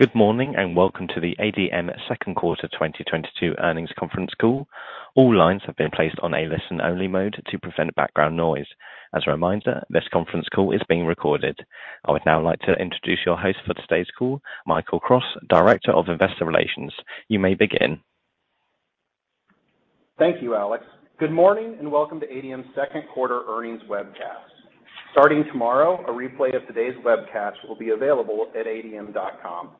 Good morning, and welcome to the ADM second quarter 2022 earnings conference call. All lines have been placed on a listen-only mode to prevent background noise. As a reminder, this conference call is being recorded. I would now like to introduce your host for today's call, Michael Cross, Director of Investor Relations. You may begin. Thank you, Alex. Good morning, and welcome to ADM second quarter earnings webcast. Starting tomorrow, a replay of today's webcast will be available at adm.com.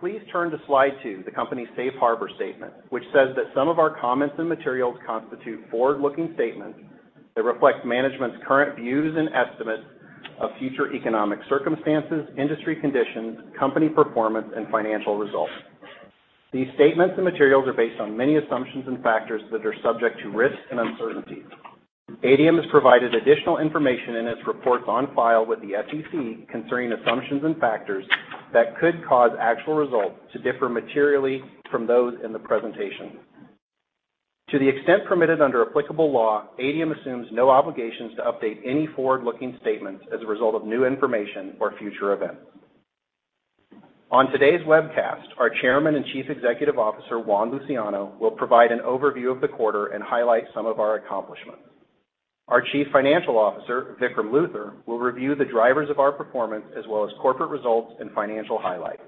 Please turn to slide two, the company's safe harbor statement, which says that some of our comments and materials constitute forward-looking statements that reflect management's current views and estimates of future economic circumstances, industry conditions, company performance, and financial results. These statements and materials are based on many assumptions and factors that are subject to risks and uncertainties. ADM has provided additional information in its reports on file with the SEC concerning assumptions and factors that could cause actual results to differ materially from those in the presentation. To the extent permitted under applicable law, ADM assumes no obligations to update any forward-looking statements as a result of new information or future events. On today's webcast, our Chairman and Chief Executive Officer, Juan Luciano, will provide an overview of the quarter and highlight some of our accomplishments. Our Chief Financial Officer, Vikram Luthar, will review the drivers of our performance as well as corporate results and financial highlights.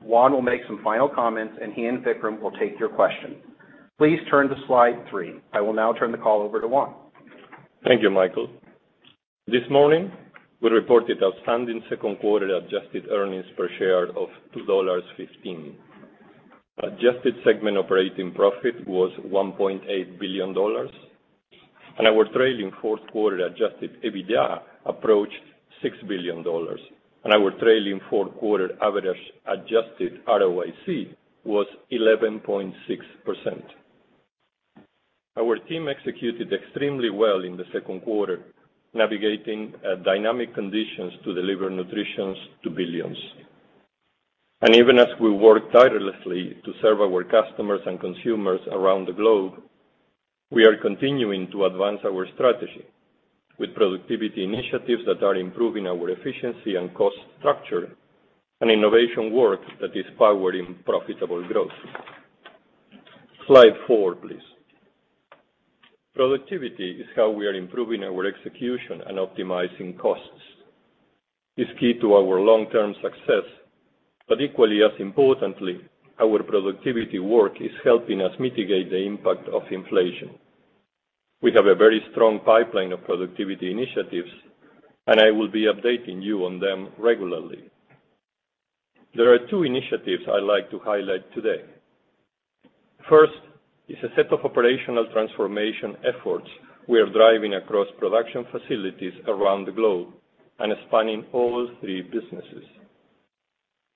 Juan will make some final comments, and he and Vikram will take your questions. Please turn to slide three. I will now turn the call over to Juan. Thank you, Michael. This morning, we reported outstanding second quarter adjusted earnings per share of $2.15. Adjusted segment operating profit was $1.8 billion. Our trailing fourth quarter Adjusted EBITDA approached $6 billion. Our trailing fourth quarter average adjusted ROIC was 11.6%. Our team executed extremely well in the second quarter, navigating dynamic conditions to deliver nutrition to billions. Even as we work tirelessly to serve our customers and consumers around the globe, we are continuing to advance our strategy with productivity initiatives that are improving our efficiency and cost structure and innovation work that is powering profitable growth. Slide four, please. Productivity is how we are improving our execution and optimizing costs. It's key to our long-term success, but equally as importantly, our productivity work is helping us mitigate the impact of inflation. We have a very strong pipeline of productivity initiatives, and I will be updating you on them regularly. There are two initiatives I like to highlight today. First is a set of operational transformation efforts we are driving across production facilities around the globe and spanning all three businesses.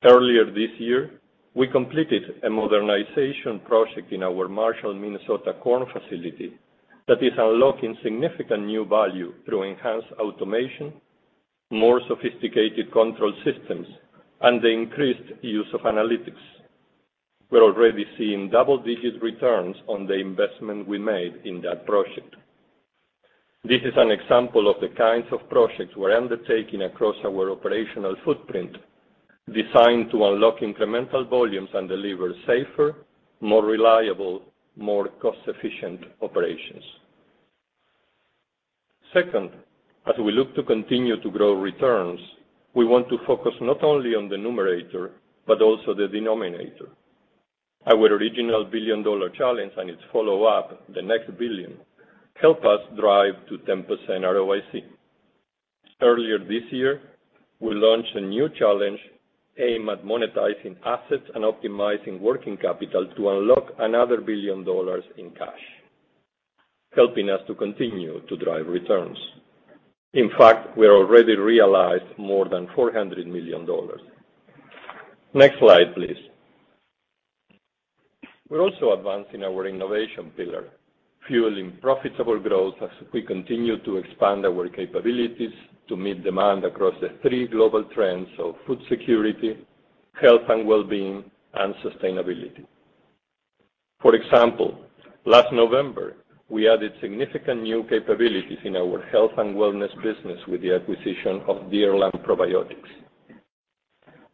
Earlier this year, we completed a modernization project in our Marshall, Minnesota corn facility that is unlocking significant new value through enhanced automation, more sophisticated control systems, and the increased use of analytics. We're already seeing double-digit returns on the investment we made in that project. This is an example of the kinds of projects we're undertaking across our operational footprint, designed to unlock incremental volumes and deliver safer, more reliable, more cost-efficient operations. Second, as we look to continue to grow returns, we want to focus not only on the numerator but also the denominator. Our original Billion Dollar Challenge and its follow-up, The Next Billion, help us drive to 10% ROIC. Earlier this year, we launched a new challenge aimed at monetizing assets and optimizing working capital to unlock another $1 billion in cash, helping us to continue to drive returns. In fact, we already realized more than $400 million. Next slide, please. We're also advancing our innovation pillar, fueling profitable growth as we continue to expand our capabilities to meet demand across the three global trends of food security, health and well-being, and sustainability. For example, last November, we added significant new capabilities in our health and wellness business with the acquisition of Deerland Probiotics.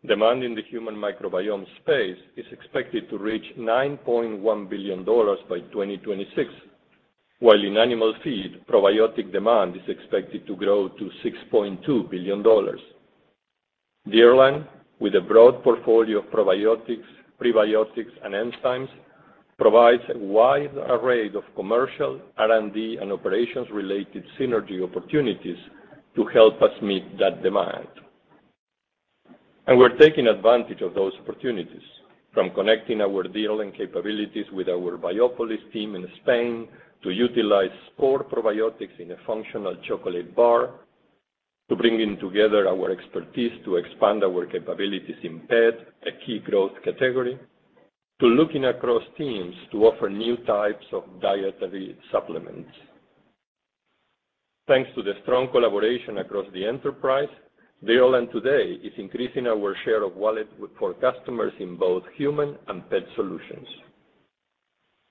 Demand in the human microbiome space is expected to reach $9.1 billion by 2026, while in animal feed, probiotic demand is expected to grow to $6.2 billion. Deerland, with a broad portfolio of probiotics, prebiotics, and enzymes, provides a wide array of commercial, R&D, and operations-related synergy opportunities to help us meet that demand. We're taking advantage of those opportunities, from connecting our Deerland capabilities with our Biopolis team in Spain to utilize sport probiotics in a functional chocolate bar, to bringing together our expertise to expand our capabilities in pet, a key growth category, to looking across teams to offer new types of dietary supplements. Thanks to the strong collaboration across the enterprise, Deerland today is increasing our share of wallet with for customers in both human and pet solutions.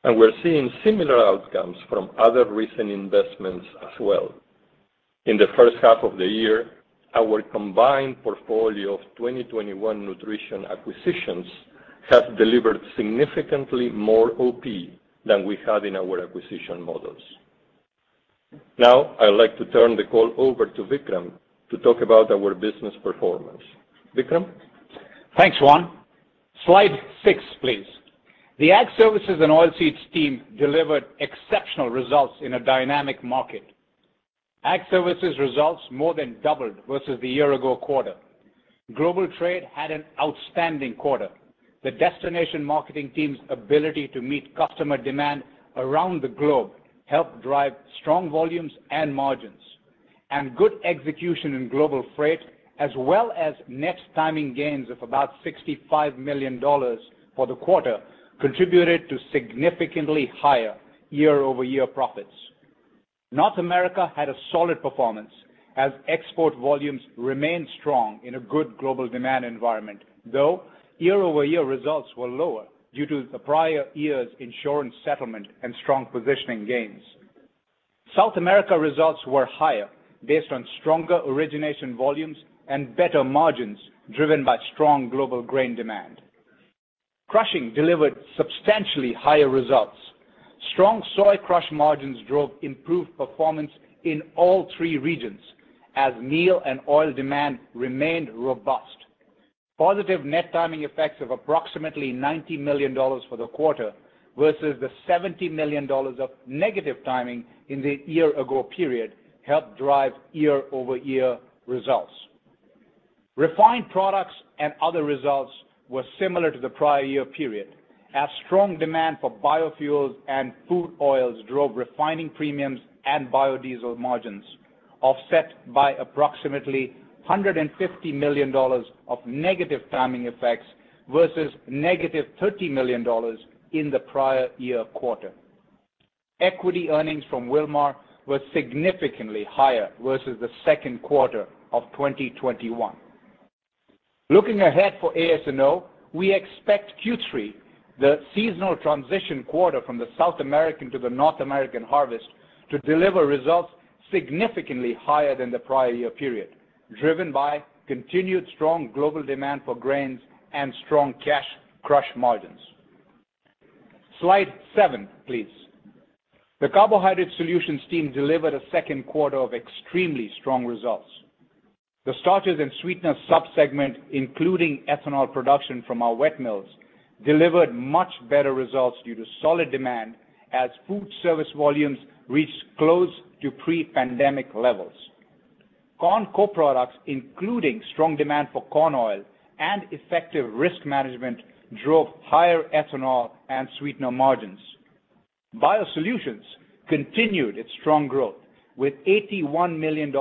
We're seeing similar outcomes from other recent investments as well. In the first half of the year, our combined portfolio of 2021 nutrition acquisitions have delivered significantly more OP than we had in our acquisition models. Now, I'd like to turn the call over to Vikram to talk about our business performance. Vikram? Thanks, Juan. Slide six, please. The Ag Services and Oilseeds team delivered exceptional results in a dynamic market. Ag Services results more than doubled versus the year-ago quarter. Global trade had an outstanding quarter. The destination marketing team's ability to meet customer demand around the globe helped drive strong volumes and margins. Good execution in global freight, as well as net timing gains of about $65 million for the quarter, contributed to significantly higher year-over-year profits. North America had a solid performance as export volumes remained strong in a good global demand environment, though year-over-year results were lower due to the prior year's insurance settlement and strong positioning gains. South America results were higher based on stronger origination volumes and better margins driven by strong global grain demand. Crushing delivered substantially higher results. Strong soy crush margins drove improved performance in all three regions as meal and oil demand remained robust. Positive net timing effects of approximately $90 million for the quarter versus the $70 million of negative timing in the year ago period helped drive year-over-year results. Refined products and other results were similar to the prior year period as strong demand for biofuels and food oils drove refining premiums and biodiesel margins, offset by approximately $150 million of negative timing effects versus -$30 million in the prior year quarter. Equity earnings from Wilmar were significantly higher versus the second quarter of 2021. Looking ahead for AS&O, we expect Q3, the seasonal transition quarter from the South American to the North American harvest, to deliver results significantly higher than the prior year period, driven by continued strong global demand for grains and strong cash crush margins. Slide seven, please. The Carbohydrate Solutions team delivered a second quarter of extremely strong results. The starches and sweeteners sub-segment, including ethanol production from our wet mills, delivered much better results due to solid demand as food service volumes reached close to pre-pandemic levels. Corn co-products, including strong demand for corn oil and effective risk management, drove higher ethanol and sweetener margins. BioSolutions continued its strong growth with $81 million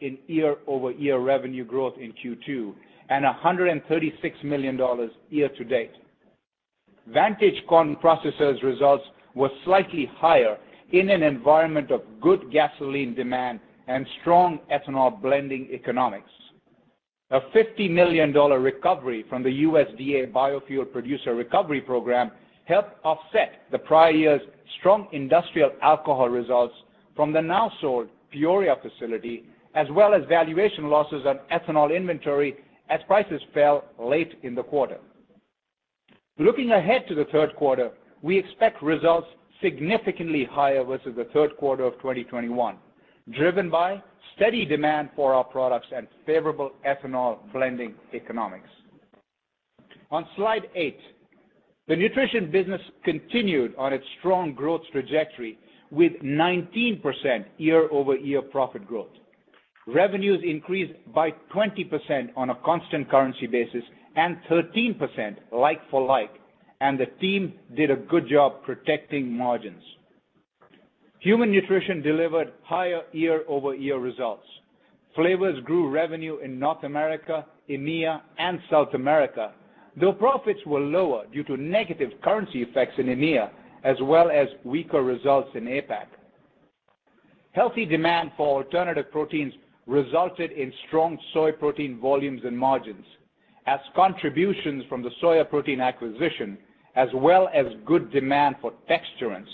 in year-over-year revenue growth in Q2 and $136 million year-to-date. Vantage Corn Processors results were slightly higher in an environment of good gasoline demand and strong ethanol blending economics. A $50 million recovery from the USDA Biofuel Producer Program helped offset the prior year's strong industrial alcohol results from the now sold Peoria facility, as well as valuation losses on ethanol inventory as prices fell late in the quarter. Looking ahead to the third quarter, we expect results significantly higher versus the third quarter of 2021, driven by steady demand for our products and favorable ethanol blending economics. On slide eight, the Nutrition business continued on its strong growth trajectory with 19% year-over-year profit growth. Revenues increased by 20% on a constant currency basis and 13% like for like, and the team did a good job protecting margins. Human nutrition delivered higher year-over-year results. Flavors grew revenue in North America, EMEA, and South America, though profits were lower due to negative currency effects in EMEA, as well as weaker results in APAC. Healthy demand for alternative proteins resulted in strong soy protein volumes and margins as contributions from the soy protein acquisition, as well as good demand for texturants,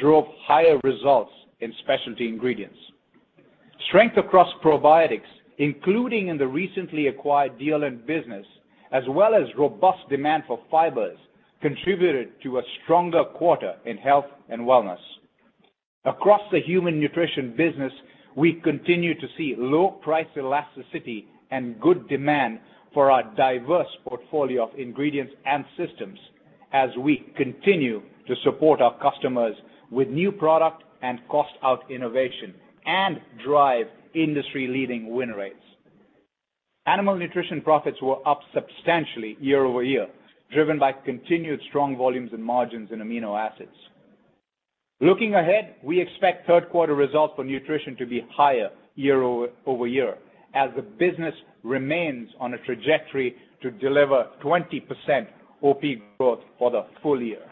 drove higher results in specialty ingredients. Strength across probiotics, including in the recently acquired Deerland business, as well as robust demand for fibers, contributed to a stronger quarter in health and wellness. Across the human nutrition business, we continue to see low price elasticity and good demand for our diverse portfolio of ingredients and systems as we continue to support our customers with new product and cost out innovation and drive industry-leading win rates. Animal nutrition profits were up substantially year-over-year, driven by continued strong volumes and margins in amino acids. Looking ahead, we expect third quarter results for nutrition to be higher year-over-year as the business remains on a trajectory to deliver 20% OP growth for the full year.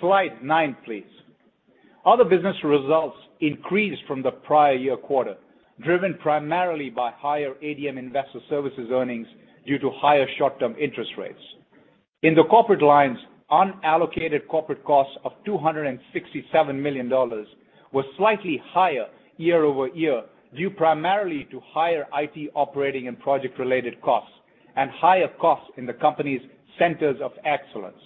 Slide nine, please. Other business results increased from the prior year quarter, driven primarily by higher ADM Investor Services earnings due to higher short-term interest rates. In the corporate lines, unallocated corporate costs of $267 million was slightly higher year-over-year, due primarily to higher IT operating and project-related costs and higher costs in the company's centers of excellence.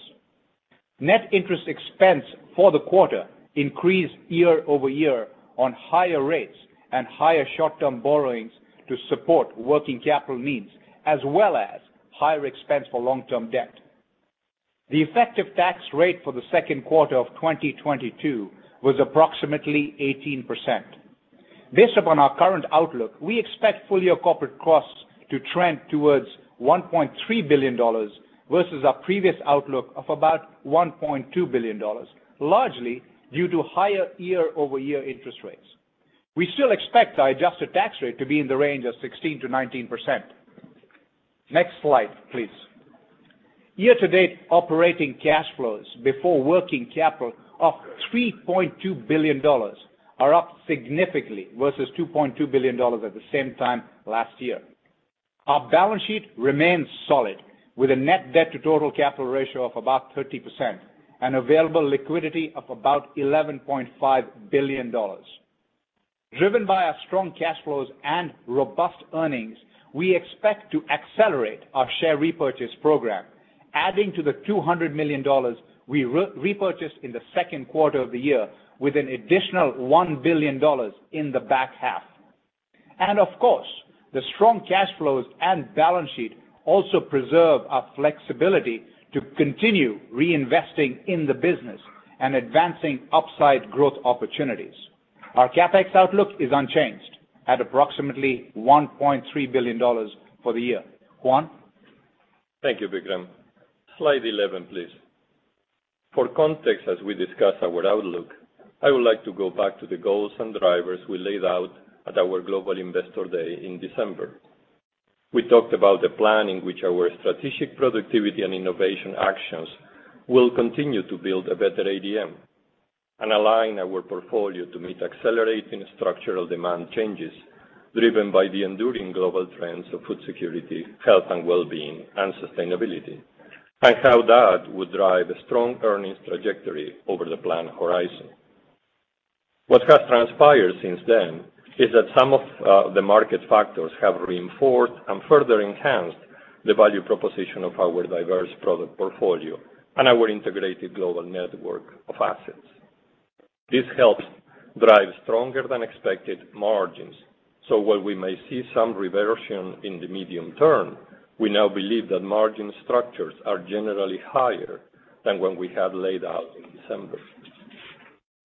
Net interest expense for the quarter increased year-over-year on higher rates and higher short-term borrowings to support working capital needs, as well as higher expense for long-term debt. The effective tax rate for the second quarter of 2022 was approximately 18%. Based upon our current outlook, we expect full-year corporate costs to trend towards $1.3 billion versus our previous outlook of about $1.2 billion, largely due to higher year-over-year interest rates. We still expect our adjusted tax rate to be in the range of 16%-19%. Next slide, please. Year-to-date operating cash flows before working capital of $3.2 billion are up significantly versus $2.2 billion at the same time last year. Our balance sheet remains solid with a net debt to total capital ratio of about 30% and available liquidity of about $11.5 billion. Driven by our strong cash flows and robust earnings, we expect to accelerate our share repurchase program, adding to the $200 million we repurchased in the second quarter of the year with an additional $1 billion in the back half. Of course, the strong cash flows and balance sheet also preserve our flexibility to continue reinvesting in the business and advancing upside growth opportunities. Our CapEx outlook is unchanged at approximately $1.3 billion for the year. Juan? Thank you, Vikram. Slide 11, please. For context, as we discuss our outlook, I would like to go back to the goals and drivers we laid out at our Global Investor Day in December. We talked about the plan in which our strategic productivity and innovation actions will continue to build a better ADM and align our portfolio to meet accelerating structural demand changes driven by the enduring global trends of food security, health and well-being, and sustainability, and how that would drive a strong earnings trajectory over the planned horizon. What has transpired since then is that some of the market factors have reinforced and further enhanced the value proposition of our diverse product portfolio and our integrated global network of assets. This helps drive stronger than expected margins. While we may see some reversion in the medium term, we now believe that margin structures are generally higher than when we had laid out in December.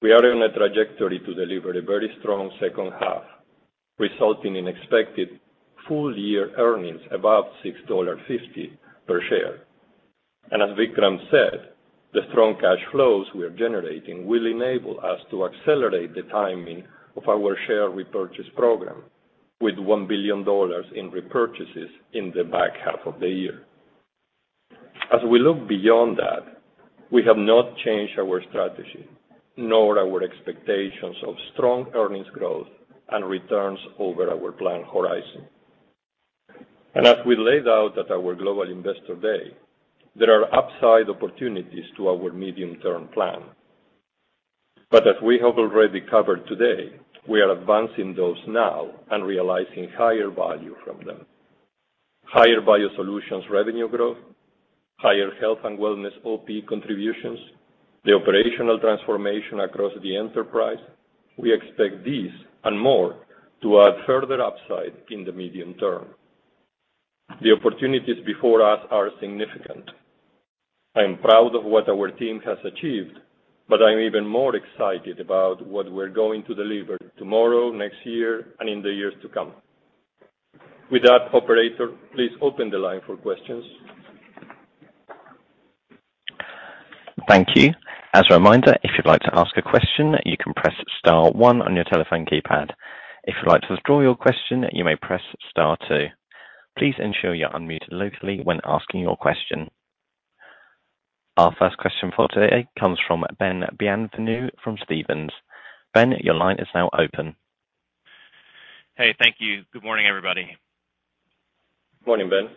We are in a trajectory to deliver a very strong second half, resulting in expected full-year earnings above $6.50 per share. As Vikram said, the strong cash flows we are generating will enable us to accelerate the timing of our share repurchase program with $1 billion in repurchases in the back half of the year. As we look beyond that, we have not changed our strategy, nor our expectations of strong earnings growth and returns over our planned horizon. As we laid out at our Global Investor Day, there are upside opportunities to our medium-term plan. As we have already covered today, we are advancing those now and realizing higher value from them. Higher BioSolutions revenue growth, higher health and wellness OP contributions, the operational transformation across the enterprise, we expect these and more to add further upside in the medium term. The opportunities before us are significant. I am proud of what our team has achieved, but I'm even more excited about what we're going to deliver tomorrow, next year, and in the years to come. With that, operator, please open the line for questions. Thank you. As a reminder, if you'd like to ask a question, you can press star one on your telephone keypad. If you'd like to withdraw your question, you may press star two. Please ensure you're unmuted locally when asking your question. Our first question for today comes from Ben Bienvenu from Stephens. Ben, your line is now open. Hey, thank you. Good morning, everybody. Morning, Ben.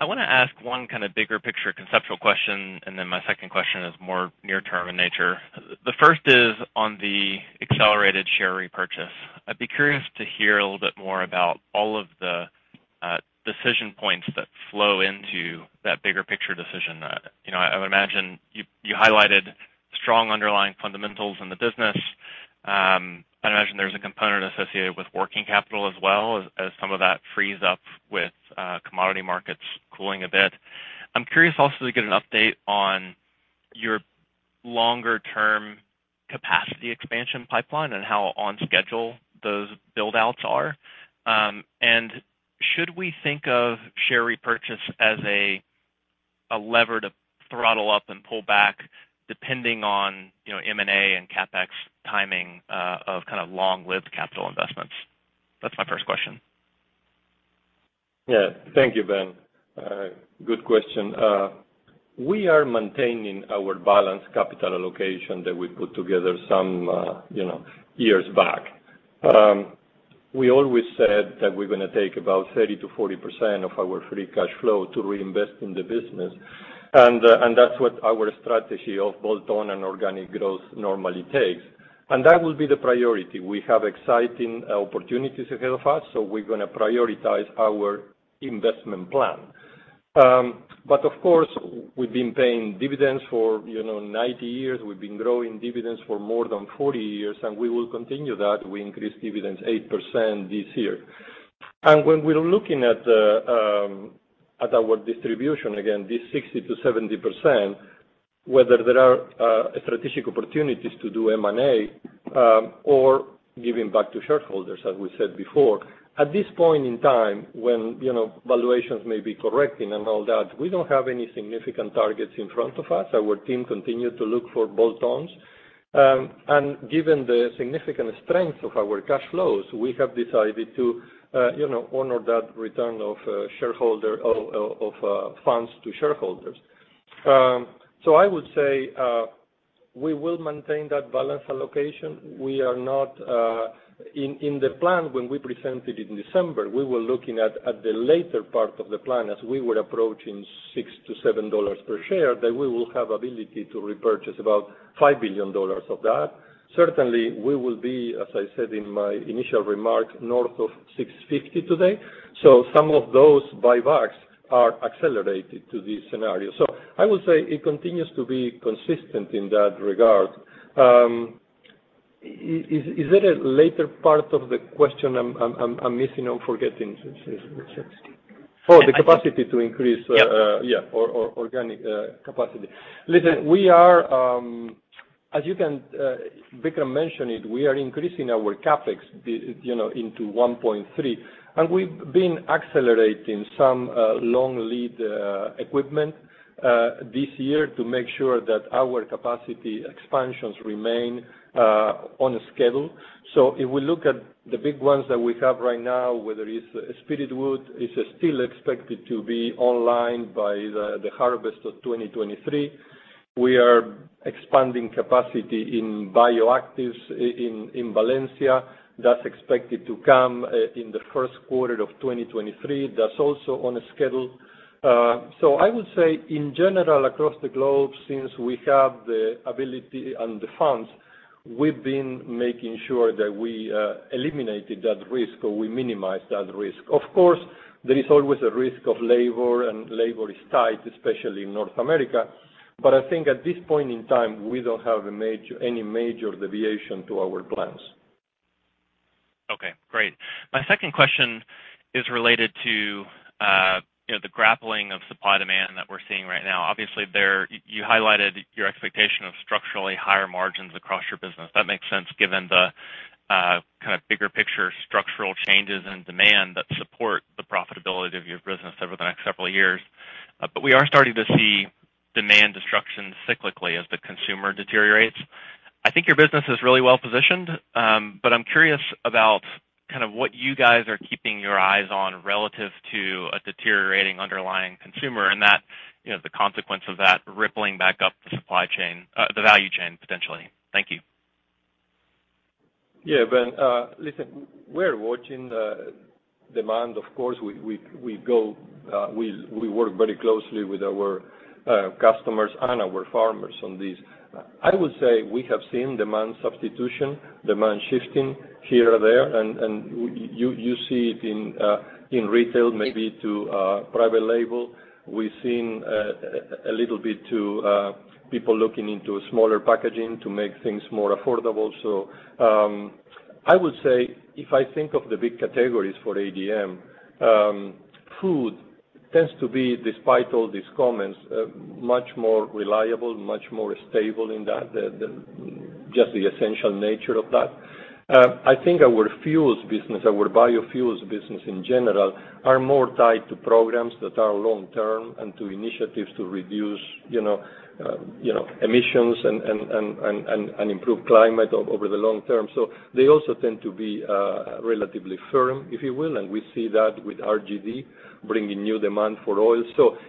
I wanna ask one kind of bigger picture conceptual question, and then my second question is more near term in nature. The first is on the accelerated share repurchase. I'd be curious to hear a little bit more about all of the decision points that flow into that bigger picture decision. You know, I would imagine you highlighted strong underlying fundamentals in the business. I'd imagine there's a component associated with working capital as well as some of that frees up with commodity markets cooling a bit. I'm curious also to get an update on your longer term capacity expansion pipeline and how on schedule those build outs are. Should we think of share repurchase as a lever to throttle up and pull back depending on, you know, M&A and CapEx timing of kind of long-lived capital investments? That's my first question. Yeah. Thank you, Ben. Good question. We are maintaining our balanced capital allocation that we put together some, you know, years back. We always said that we're gonna take about 30%-40% of our free cash flow to reinvest in the business. That's what our strategy of bolt-on and organic growth normally takes. That will be the priority. We have exciting opportunities ahead of us, so we're gonna prioritize our investment plan. Of course, we've been paying dividends for, you know, 90 years, we've been growing dividends for more than 40 years, and we will continue that. We increased dividends 8% this year. When we're looking at our distribution, again, this 60%-70%, whether there are strategic opportunities to do M&A, or giving back to shareholders as we said before. At this point in time when, you know, valuations may be correcting and all that, we don't have any significant targets in front of us. Our team continued to look for bolt-ons. Given the significant strength of our cash flows, we have decided to, you know, honor that return of shareholder of funds to shareholders. I would say, we will maintain that balance allocation. We are not... In the plan, when we presented it in December, we were looking at the later part of the plan as we were approaching $6-$7 per share, that we will have ability to repurchase about $5 billion of that. Certainly, we will be, as I said in my initial remark, north of $6.50 today. Some of those buybacks are accelerated to this scenario. I would say it continues to be consistent in that regard. Is there a later part of the question I'm missing or forgetting, Francisco? Oh, the capacity to increase. Yep. Yeah, or organic capacity. Listen, we are, as you can, Vikram mentioned it, we are increasing our CapEx, you know, into $1.3. We've been accelerating some long lead equipment this year to make sure that our capacity expansions remain on schedule. If we look at the big ones that we have right now, whether it's Spiritwood, it's still expected to be online by the harvest of 2023. We are expanding capacity in bioactives in Valencia. That's expected to come in the first quarter of 2023. That's also on schedule. I would say in general across the globe, since we have the ability and the funds, we've been making sure that we eliminated that risk or we minimize that risk. Of course, there is always a risk of labor, and labor is tight, especially in North America. I think at this point in time, we don't have any major deviation to our plans. Okay, great. My second question is related to the grappling of supply and demand that we're seeing right now. Obviously, you highlighted your expectation of structurally higher margins across your business. That makes sense given the kind of bigger picture structural changes in demand that support the profitability of your business over the next couple years. We are starting to see demand destruction cyclically as the consumer deteriorates. I think your business is really well-positioned, but I'm curious about kind of what you guys are keeping your eyes on relative to a deteriorating underlying consumer and that the consequence of that rippling back up the supply chain, the value chain potentially. Thank you. Yeah. Well, listen, we're watching the demand, of course. We work very closely with our customers and our farmers on this. I would say we have seen demand substitution, demand shifting here or there, and you see it in retail maybe to private label. We've seen a little bit too, people looking into smaller packaging to make things more affordable. I would say if I think of the big categories for ADM, food tends to be, despite all these comments, much more reliable, much more stable in that just the essential nature of that. I think our fuels business, our biofuels business in general, are more tied to programs that are long-term and to initiatives to reduce, you know, emissions and improve climate over the long term. They also tend to be relatively firm, if you will, and we see that with RGD bringing new demand for oil.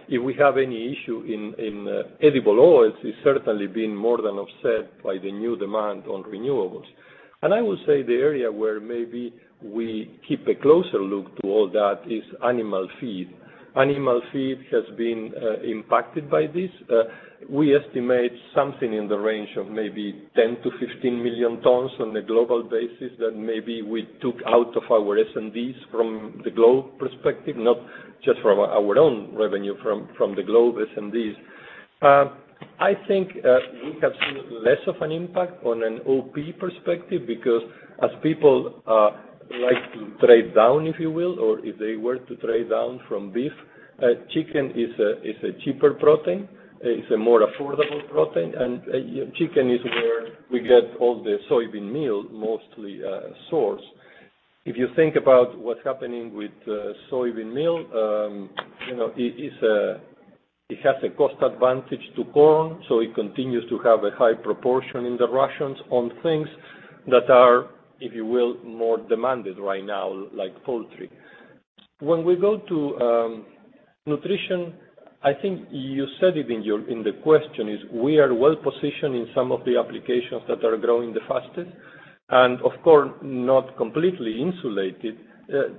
If we have any issue in edible oils, it's certainly been more than offset by the new demand on renewables. I would say the area where maybe we keep a closer eye on all that is animal feed. Animal feed has been impacted by this. We estimate something in the range of maybe 10 million-15 million tons on a global basis that maybe we took out of our S&D from the globe perspective, not just from our own revenue, from the globe S&D. I think we have seen less of an impact on an OP perspective because as people like to trade down, if you will, or if they were to trade down from beef, chicken is a cheaper protein, a more affordable protein, and chicken is where we get all the soybean meal mostly source. If you think about what's happening with soybean meal, you know, it has a cost advantage to corn, so it continues to have a high proportion in the rations on things that are, if you will, more demanded right now, like poultry. When we go to Nutrition, I think you said it in your, in the question is we are well-positioned in some of the applications that are growing the fastest. Of course, not completely insulated.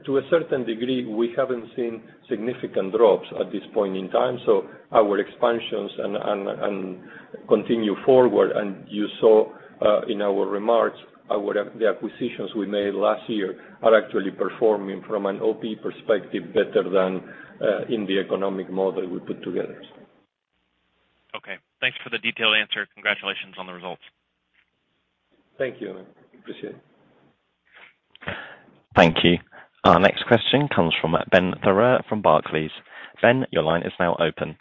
To a certain degree, we haven't seen significant drops at this point in time, so our expansions continue forward. You saw in our remarks the acquisitions we made last year are actually performing from an OP perspective better than in the economic model we put together. Okay. Thanks for the detailed answer. Congratulations on the results. Thank you. Appreciate it. Thank you. Our next question comes from Ben Theurer from Barclays. Ben, your line is now open.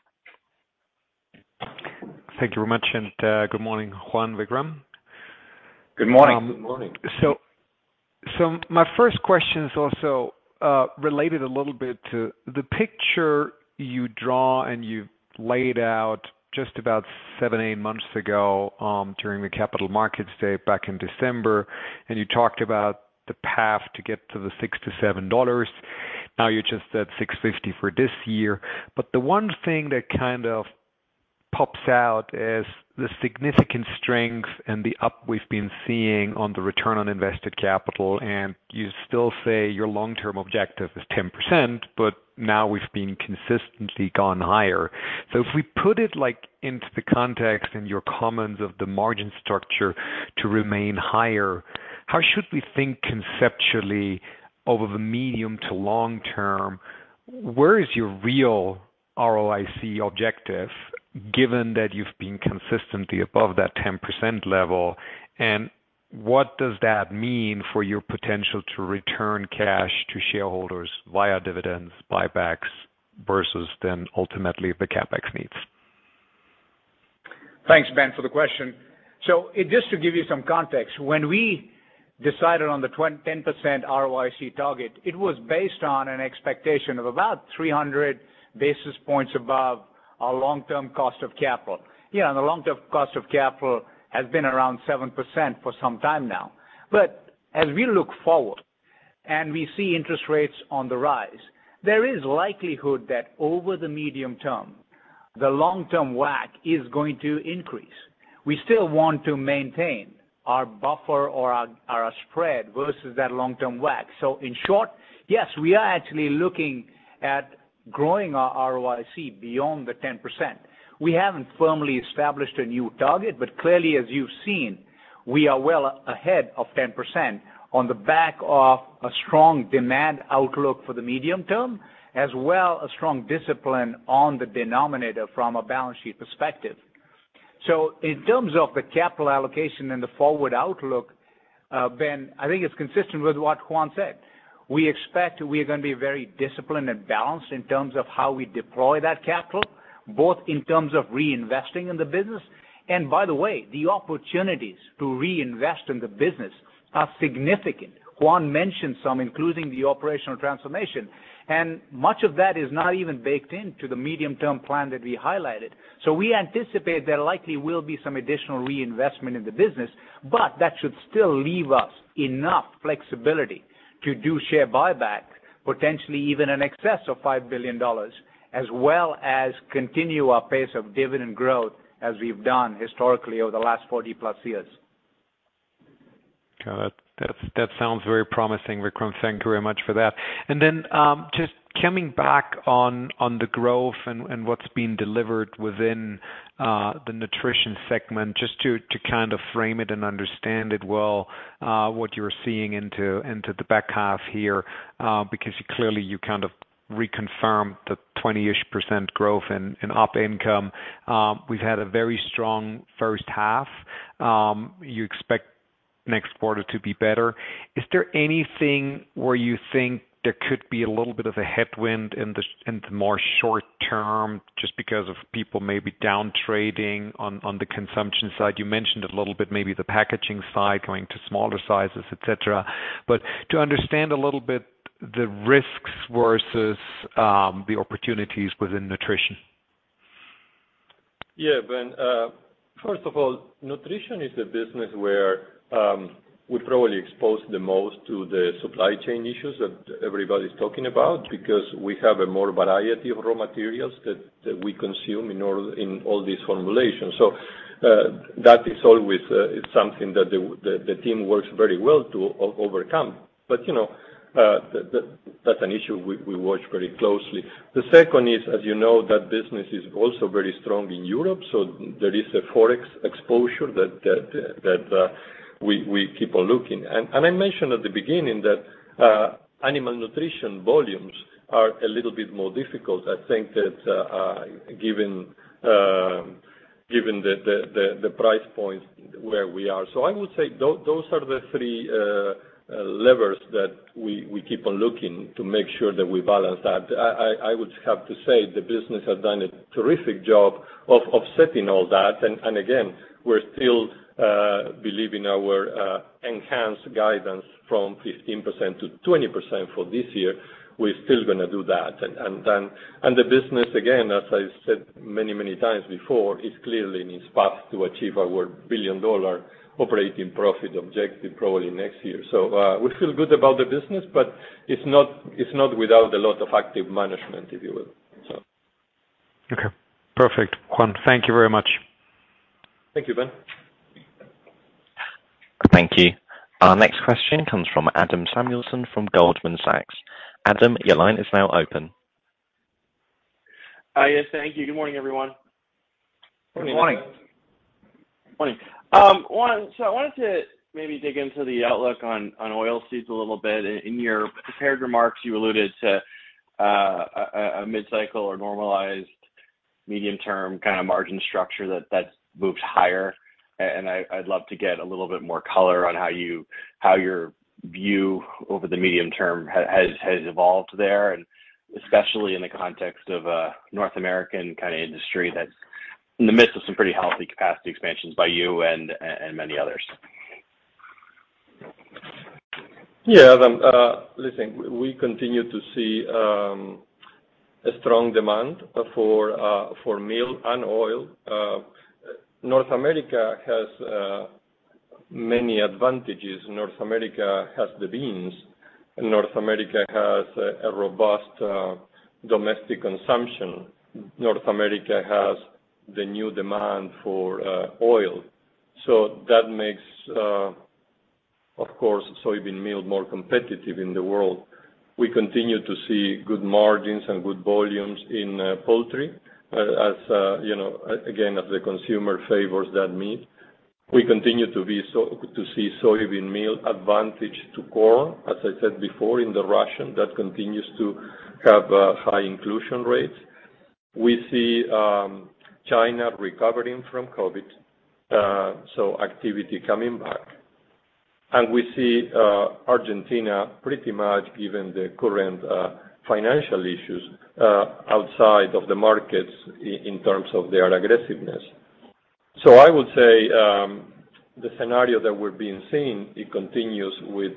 Thank you very much, and good morning, Juan, Vikram. Good morning. Good morning. My first question is also related a little bit to the picture you draw, and you laid out just about seven, eight months ago during the capital markets day back in December, and you talked about the path to get to the $6-$7. Now you're just at $6.50 for this year. The one thing that kind of pops out is the significant strength and the up we've been seeing on the return on invested capital, and you still say your long-term objective is 10%, but now we've been consistently gone higher. If we put it, like, into the context in your comments of the margin structure to remain higher, how should we think conceptually over the medium to long term? Where is your real ROIC objective, given that you've been consistently above that 10% level? What does that mean for your potential to return cash to shareholders via dividends, buybacks versus then ultimately the CapEx needs? Thanks, Ben, for the question. Just to give you some context, when we decided on the 10% ROIC target, it was based on an expectation of about 300 basis points above our long-term cost of capital. You know, the long-term cost of capital has been around 7% for some time now. As we look forward and we see interest rates on the rise, there is likelihood that over the medium term, the long-term WACC is going to increase. We still want to maintain our buffer or our spread versus that long-term WACC. In short, yes, we are actually looking at growing our ROIC beyond the 10%. We haven't firmly established a new target, but clearly, as you've seen, we are well ahead of 10% on the back of a strong demand outlook for the medium term, as well as a strong discipline on the denominator from a balance sheet perspective. In terms of the capital allocation and the forward outlook, Ben, I think it's consistent with what Juan said. We expect we're gonna be very disciplined and balanced in terms of how we deploy that capital, both in terms of reinvesting in the business. By the way, the opportunities to reinvest in the business are significant. Juan mentioned some, including the operational transformation, and much of that is not even baked into the medium-term plan that we highlighted. We anticipate there likely will be some additional reinvestment in the business, but that should still leave us enough flexibility to do share buyback, potentially even in excess of $5 billion, as well as continue our pace of dividend growth as we've done historically over the last 40+ years. Got it. That sounds very promising, Vikram. Thank you very much for that. Then, just coming back on the growth and what's been delivered within the Nutrition segment, just to kind of frame it and understand it well, what you're seeing into the back half here, because clearly you kind of reconfirm the 20-ish% growth in OP income. We've had a very strong first half. You expect next quarter to be better. Is there anything where you think there could be a little bit of a headwind in the short term just because of people maybe down trading on the consumption side? You mentioned a little bit maybe the packaging side going to smaller sizes, et cetera. To understand a little bit the risks versus the opportunities within Nutrition. Yeah, Ben. First of all, Nutrition is a business where we're probably exposed the most to the supply chain issues that everybody's talking about because we have a more variety of raw materials that we consume in order in all these formulations. That is always something that the team works very well to overcome. You know, that's an issue we watch very closely. The second is, as you know, that business is also very strong in Europe, so there is a Forex exposure that we keep on looking. I mentioned at the beginning that animal nutrition volumes are a little bit more difficult. I think that given the price points where we are. I would say those are the three levers that we keep on looking to make sure that we balance that. I would have to say the business has done a terrific job of offsetting all that. We're still believing our enhanced guidance from 15%-20% for this year. We're still gonna do that. The business, again, as I said many, many times before, is clearly in its path to achieve our billion-dollar operating profit objective probably next year. We feel good about the business, but it's not without a lot of active management, if you will. Okay, perfect. Juan, thank you very much. Thank you, Ben. Thank you. Our next question comes from Adam Samuelson from Goldman Sachs. Adam, your line is now open. Yes, thank you. Good morning, everyone. Good morning. Morning. Juan, I wanted to maybe dig into the outlook on Oilseeds a little bit. In your prepared remarks, you alluded to a mid-cycle or normalized medium-term kind of margin structure that's moved higher. I'd love to get a little bit more color on how your view over the medium term has evolved there, and especially in the context of North American kind of industry that's in the midst of some pretty healthy capacity expansions by you and many others. Yeah. Listen, we continue to see a strong demand for meal and oil. North America has many advantages. North America has the beans, and North America has a robust domestic consumption. North America has the new demand for oil. That makes, of course, soybean meal more competitive in the world. We continue to see good margins and good volumes in poultry, as you know, again, as the consumer favors that meat. We continue to see soybean meal advantage to corn, as I said before, in the rations, that continues to have a high inclusion rate. We see China recovering from COVID, so activity coming back. We see Argentina pretty much given the current financial issues outside of the markets in terms of their aggressiveness. I would say the scenario that we're seeing, it continues with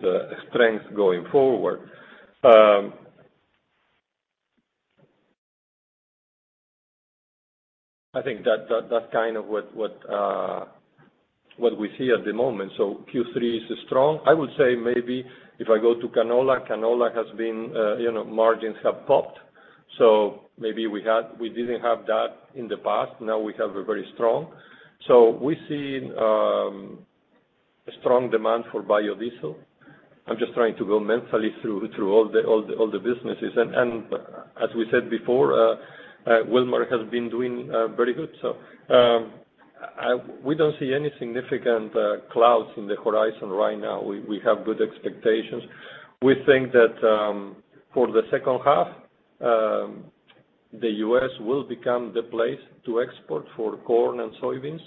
strength going forward. I think that that's kind of what we see at the moment. Q3 is strong. I would say maybe if I go to canola has been, you know, margins have popped. We didn't have that in the past, now we have a very strong. We've seen strong demand for biodiesel. I'm just trying to go mentally through all the businesses. As we said before, Wilmar has been doing very good. We don't see any significant clouds on the horizon right now. We have good expectations. We think that, for the second half, the U.S. will become the place to export for corn and soybeans.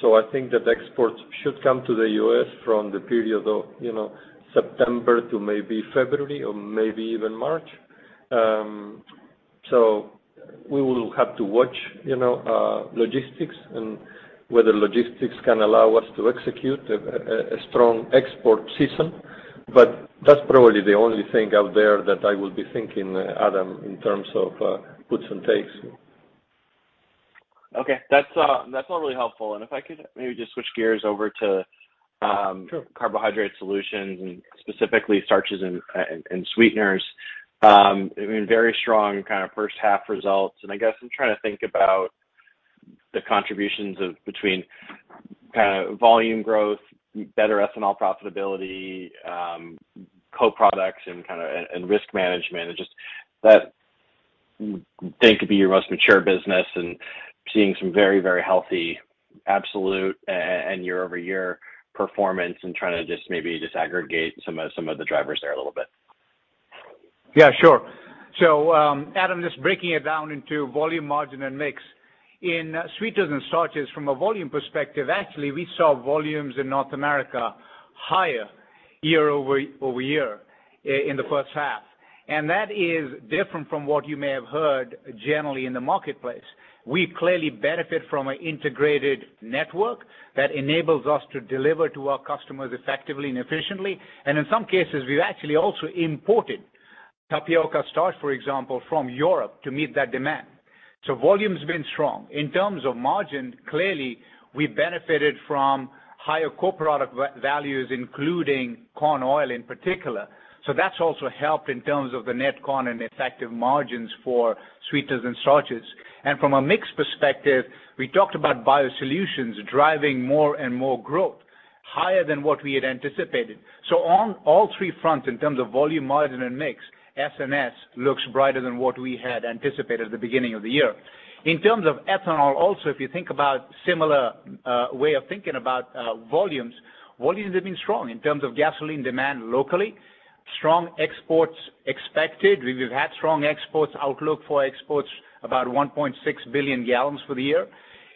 I think that exports should come to the U.S. from the period of, you know, September to maybe February or maybe even March. We will have to watch, you know, logistics and whether logistics can allow us to execute a strong export season. That's probably the only thing out there that I will be thinking, Adam, in terms of puts and takes. Okay. That's all really helpful. If I could maybe just switch gears over to Sure. Carbohydrate Solutions and specifically Starches and Sweeteners. I mean, very strong kind of first half results. I guess I'm trying to think about the contributions between kind of volume growth, better ethanol profitability, co-products and risk management. Just that they could be your most mature business and seeing some very healthy absolute and year-over-year performance and trying to just maybe aggregate some of the drivers there a little bit. Yeah, sure. Adam, just breaking it down into volume, margin, and mix. In sweeteners and starches, from a volume perspective, actually, we saw volumes in North America higher year-over-year in the first half. That is different from what you may have heard generally in the marketplace. We clearly benefit from an integrated network that enables us to deliver to our customers effectively and efficiently. In some cases, we've actually also imported tapioca starch, for example, from Europe to meet that demand. Volume's been strong. In terms of margin, clearly, we benefited from higher co-product values, including corn oil in particular. That's also helped in terms of the net corn and effective margins for sweeteners and starches. From a mix perspective, we talked about BioSolutions driving more and more growth, higher than what we had anticipated. On all three fronts, in terms of volume, margin, and mix, S&S looks brighter than what we had anticipated at the beginning of the year. In terms of ethanol, also, if you think about similar way of thinking about volumes have been strong in terms of gasoline demand locally. Strong exports expected. We've had strong exports outlook for exports, about 1.6 billion gal for the year.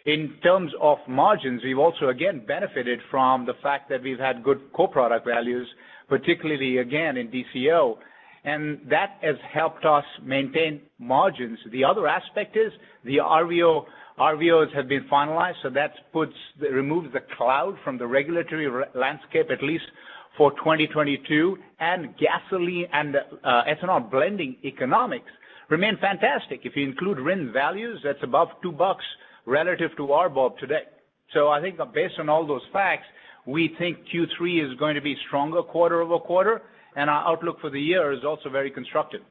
In terms of margins, we've also again benefited from the fact that we've had good co-product values, particularly again in DCO, and that has helped us maintain margins. The other aspect is the RVO. RVOs have been finalized, so that removes the cloud from the regulatory landscape, at least for 2022. Gasoline and ethanol blending economics remain fantastic. If you include RIN values, that's above $2 relative to RBOB today. I think based on all those facts, we think Q3 is going to be stronger quarter-over-quarter, and our outlook for the year is also very constructive.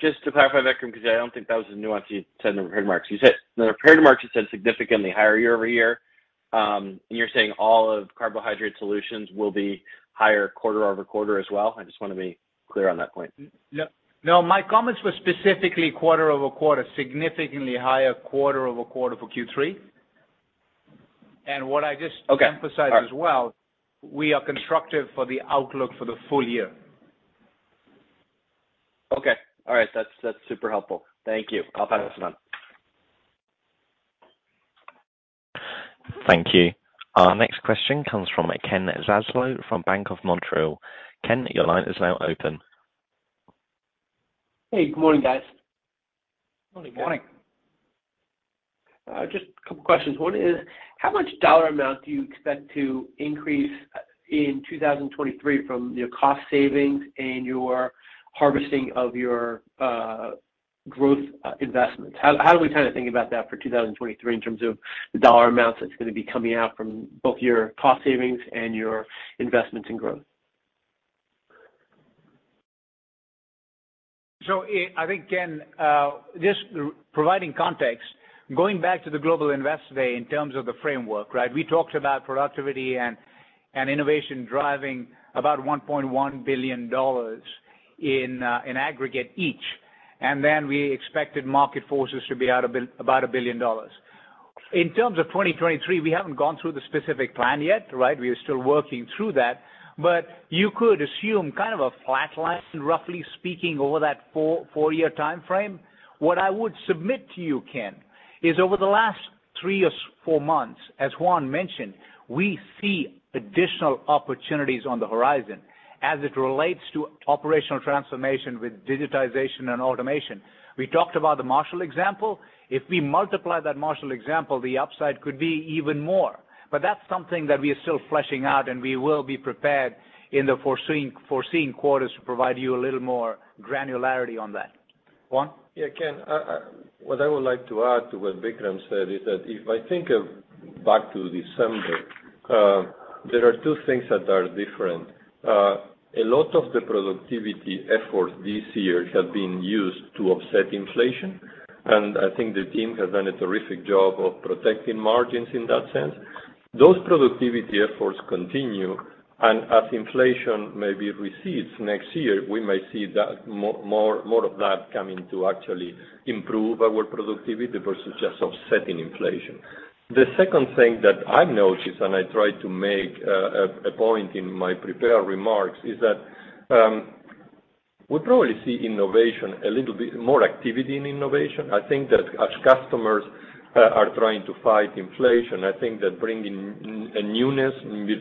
Just to clarify that, Vikram, because I don't think that was the nuance you said in the prepared remarks. In the prepared remarks, you said significantly higher year-over-year. You're saying all of Carbohydrate Solutions will be higher quarter-over-quarter as well? I just wanna be clear on that point. No. No, my comments were specifically quarter-over-quarter, significantly higher quarter-over-quarter for Q3. What I just- Okay. All right. Emphasized as well, we are constructive for the outlook for the full year. Okay. All right. That's super helpful. Thank you. I'll pass this on. Thank you. Our next question comes from Ken Zaslow from Bank of Montreal. Ken, your line is now open. Hey, good morning, guys. Morning, Ken. Morning. Just a couple questions. One is, how much dollar amount do you expect to increase in 2023 from your cost savings and your harvesting of your growth investments? How do we kinda think about that for 2023 in terms of the dollar amounts that's gonna be coming out from both your cost savings and your investments in growth? I think, Ken, just providing context, going back to the Global Investor Day in terms of the framework, right? We talked about productivity and innovation driving about $1.1 billion in aggregate each, and then we expected market forces to be about $1 billion. In terms of 2023, we haven't gone through the specific plan yet, right? We are still working through that. You could assume kind of a flat line, roughly speaking, over that four-year timeframe. What I would submit to you, Ken, is over the last three or four months, as Juan mentioned, we see additional opportunities on the horizon as it relates to operational transformation with digitization and automation. We talked about the Marshall example. If we multiply that Marshall example, the upside could be even more. That's something that we are still fleshing out, and we will be prepared in the foreseen quarters to provide you a little more granularity on that. Juan? Yeah, Ken, what I would like to add to what Vikram said is that if I think back to December, there are two things that are different. A lot of the productivity efforts this year have been used to offset inflation, and I think the team has done a terrific job of protecting margins in that sense. Those productivity efforts continue, and as inflation maybe recedes next year, we may see that more of that coming to actually improve our productivity versus just offsetting inflation. The second thing that I've noticed, and I tried to make a point in my prepared remarks, is that we probably see innovation a little bit more activity in innovation. I think that as customers are trying to fight inflation, I think that bringing a newness,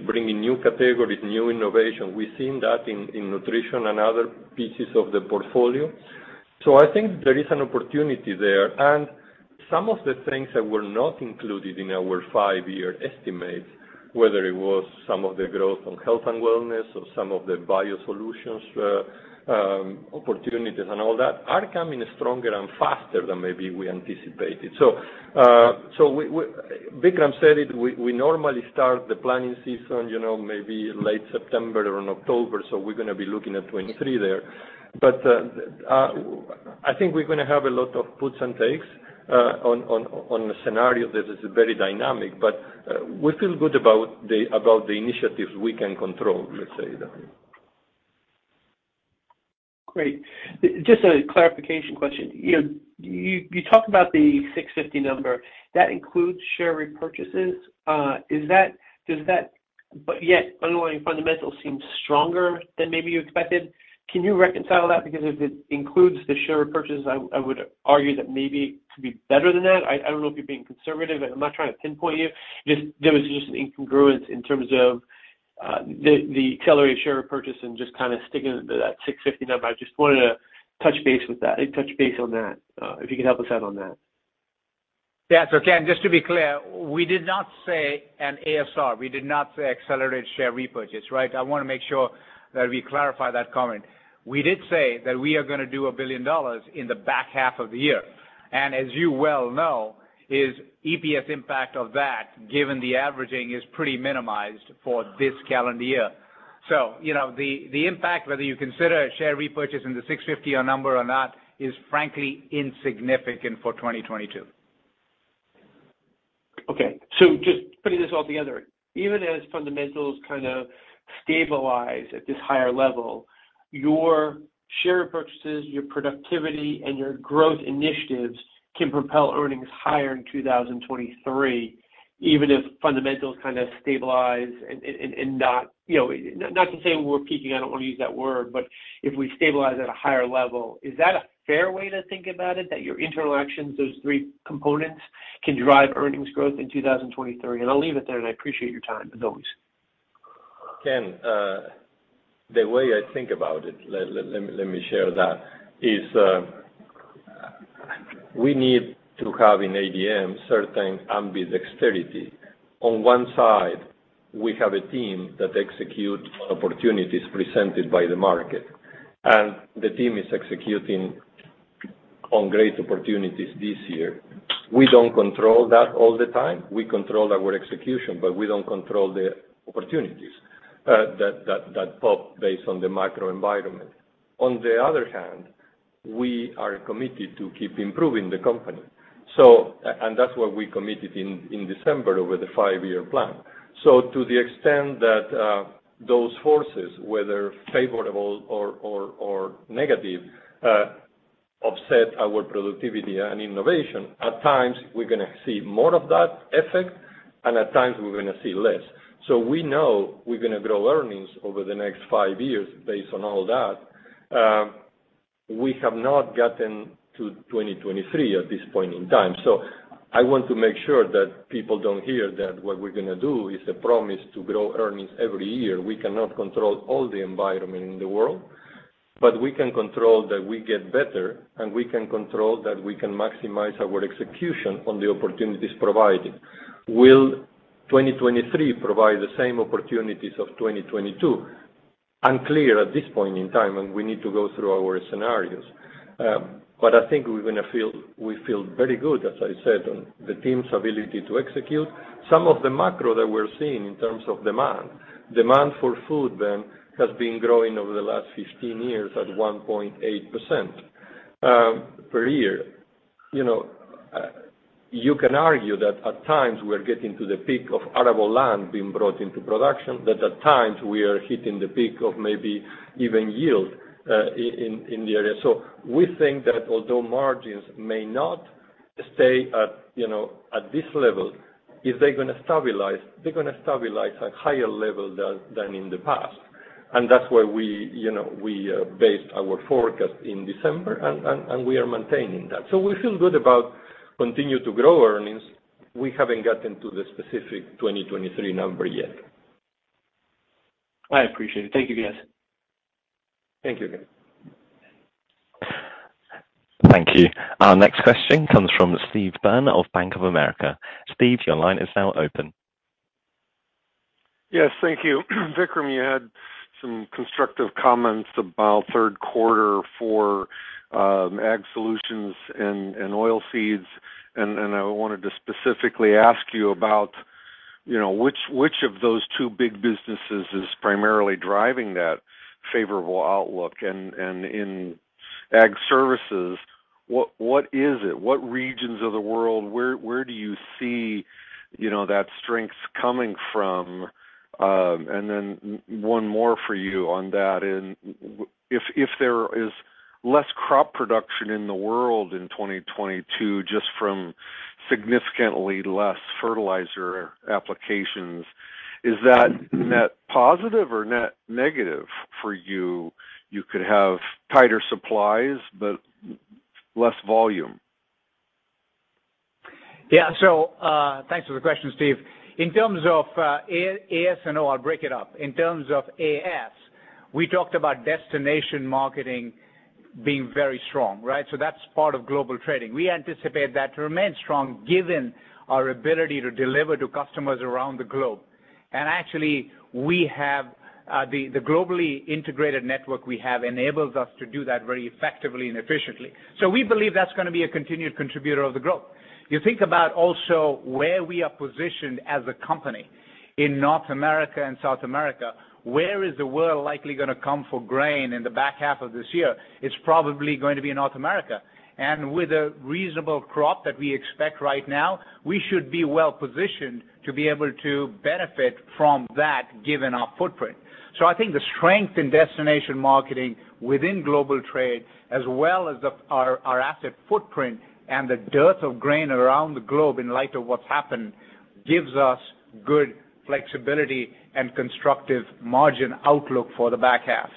bringing new categories, new innovation, we've seen that in Nutrition and other pieces of the portfolio. I think there is an opportunity there. Some of the things that were not included in our five-year estimate, whether it was some of the growth on health and wellness or some of the BioSolutions opportunities and all that, are coming stronger and faster than maybe we anticipated. Vikram said it, we normally start the planning season, you know, maybe late September and October, so we're gonna be looking at 2023 there. I think we're gonna have a lot of puts and takes on a scenario that is very dynamic. We feel good about the initiatives we can control, let's say that way. Great. Just a clarification question. You talk about the $6.50 number. That includes share repurchases. Yet underlying fundamentals seem stronger than maybe you expected. Can you reconcile that? Because if it includes the share repurchase, I would argue that maybe it could be better than that. I don't know if you're being conservative. I'm not trying to pinpoint you. Just there was just an incongruence in terms of the accelerated share repurchase and just kinda sticking to that $6.50 number. I just wanted to touch base with that and touch base on that if you could help us out on that. Yeah. Ken, just to be clear, we did not say an ASR. We did not say accelerated share repurchase, right? I wanna make sure that we clarify that comment. We did say that we are gonna do $1 billion in the back half of the year. As you well know, is EPS impact of that, given the averaging, is pretty minimized for this calendar year. You know, the impact, whether you consider a share repurchase in the $6.50 number or not, is frankly insignificant for 2022. Just putting this all together, even as fundamentals kinda stabilize at this higher level, your share repurchases, your productivity, and your growth initiatives can propel earnings higher in 2023, even if fundamentals kinda stabilize and not, you know, not to say we're peaking, I don't wanna use that word, but if we stabilize at a higher level, is that a fair way to think about it? That your internal actions, those three components, can drive earnings growth in 2023? I'll leave it there, and I appreciate your time as always. Ken, the way I think about it, let me share that is, we need to have in ADM certain ambidexterity. On one side, we have a team that execute on opportunities presented by the market. The team is executing on great opportunities this year. We don't control that all the time. We control our execution, but we don't control the opportunities that pop based on the macro environment. On the other hand, we are committed to keep improving the company. That's what we committed in December over the five-year plan. To the extent that those forces, whether favorable or negative, offset our productivity and innovation, at times we're gonna see more of that effect, and at times we're gonna see less. We know we're gonna grow earnings over the next five years based on all that. We have not gotten to 2023 at this point in time. I want to make sure that people don't hear that what we're gonna do is a promise to grow earnings every year. We cannot control all the environment in the world, but we can control that we get better, and we can control that we can maximize our execution on the opportunities provided. Will 2023 provide the same opportunities of 2022? Unclear at this point in time, and we need to go through our scenarios. I think we feel very good, as I said, on the team's ability to execute. Some of the macro that we're seeing in terms of demand for food then has been growing over the last 15 years at 1.8% per year. You know, you can argue that at times we're getting to the peak of arable land being brought into production, that at times we are hitting the peak of maybe even yield in the area. We think that although margins may not stay at, you know, at this level, if they're gonna stabilize, they're gonna stabilize at higher level than in the past. That's why we, you know, based our forecast in December, and we are maintaining that. We feel good about continue to grow earnings. We haven't gotten to the specific 2023 number yet. I appreciate it. Thank you, guys. Thank you. Thank you. Our next question comes from Steve Byrne of Bank of America. Steve, your line is now open. Yes, thank you. Vikram, you had some constructive comments about third quarter for Ag Solutions and Oilseeds, and I wanted to specifically ask you about, you know, which of those two big businesses is primarily driving that favorable outlook? In Ag Services, what is it? What regions of the world, where do you see, you know, that strength coming from? And then one more for you on that. If there is less crop production in the world in 2022 just from significantly less fertilizer applications, is that net positive or net negative for you? You could have tighter supplies but less volume. Yeah. Thanks for the question, Steve. In terms of AS&O, I'll break it up. In terms of AS, we talked about destination marketing being very strong, right? That's part of global trading. We anticipate that to remain strong given our ability to deliver to customers around the globe. Actually, we have the globally integrated network we have enables us to do that very effectively and efficiently. We believe that's gonna be a continued contributor of the growth. You think about also where we are positioned as a company in North America and South America. Where is the world likely gonna come for grain in the back half of this year? It's probably going to be in North America. With a reasonable crop that we expect right now, we should be well positioned to be able to benefit from that given our footprint. I think the strength in destination marketing within global trade as well as our asset footprint and the dearth of grain around the globe in light of what's happened gives us good flexibility and constructive margin outlook for the back half.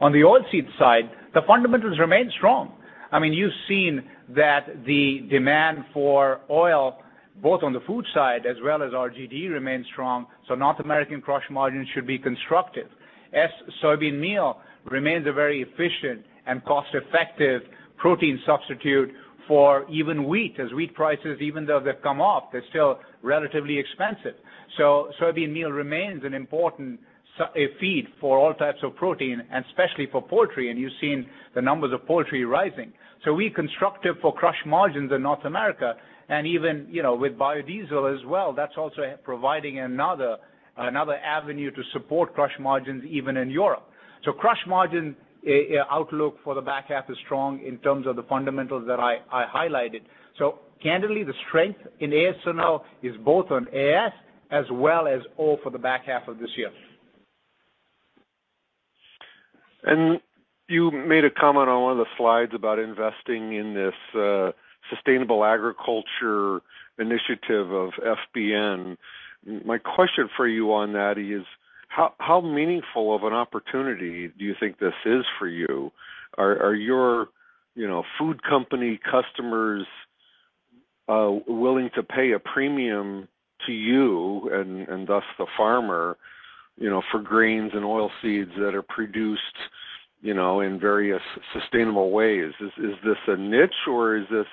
On the Oilseeds side, the fundamentals remain strong. I mean, you've seen that the demand for oil, both on the food side as well as RGD remains strong, so North American crush margins should be constructive. As soybean meal remains a very efficient and cost-effective protein substitute for even wheat, as wheat prices, even though they've come off, they're still relatively expensive. Soybean meal remains an important feed for all types of protein and especially for poultry, and you've seen the numbers of poultry rising. We're constructive for crush margins in North America and even, you know, with biodiesel as well, that's also providing another avenue to support crush margins even in Europe. Crush margin outlook for the back half is strong in terms of the fundamentals that I highlighted. Candidly, the strength in AS&O is both on AS as well as O for the back half of this year. You made a comment on one of the slides about investing in this sustainable agriculture initiative of FBN. My question for you on that is how meaningful of an opportunity do you think this is for you? Are your you know food company customers willing to pay a premium to you and thus the farmer you know for grains and oilseeds that are produced you know in various sustainable ways? Is this a niche, or is this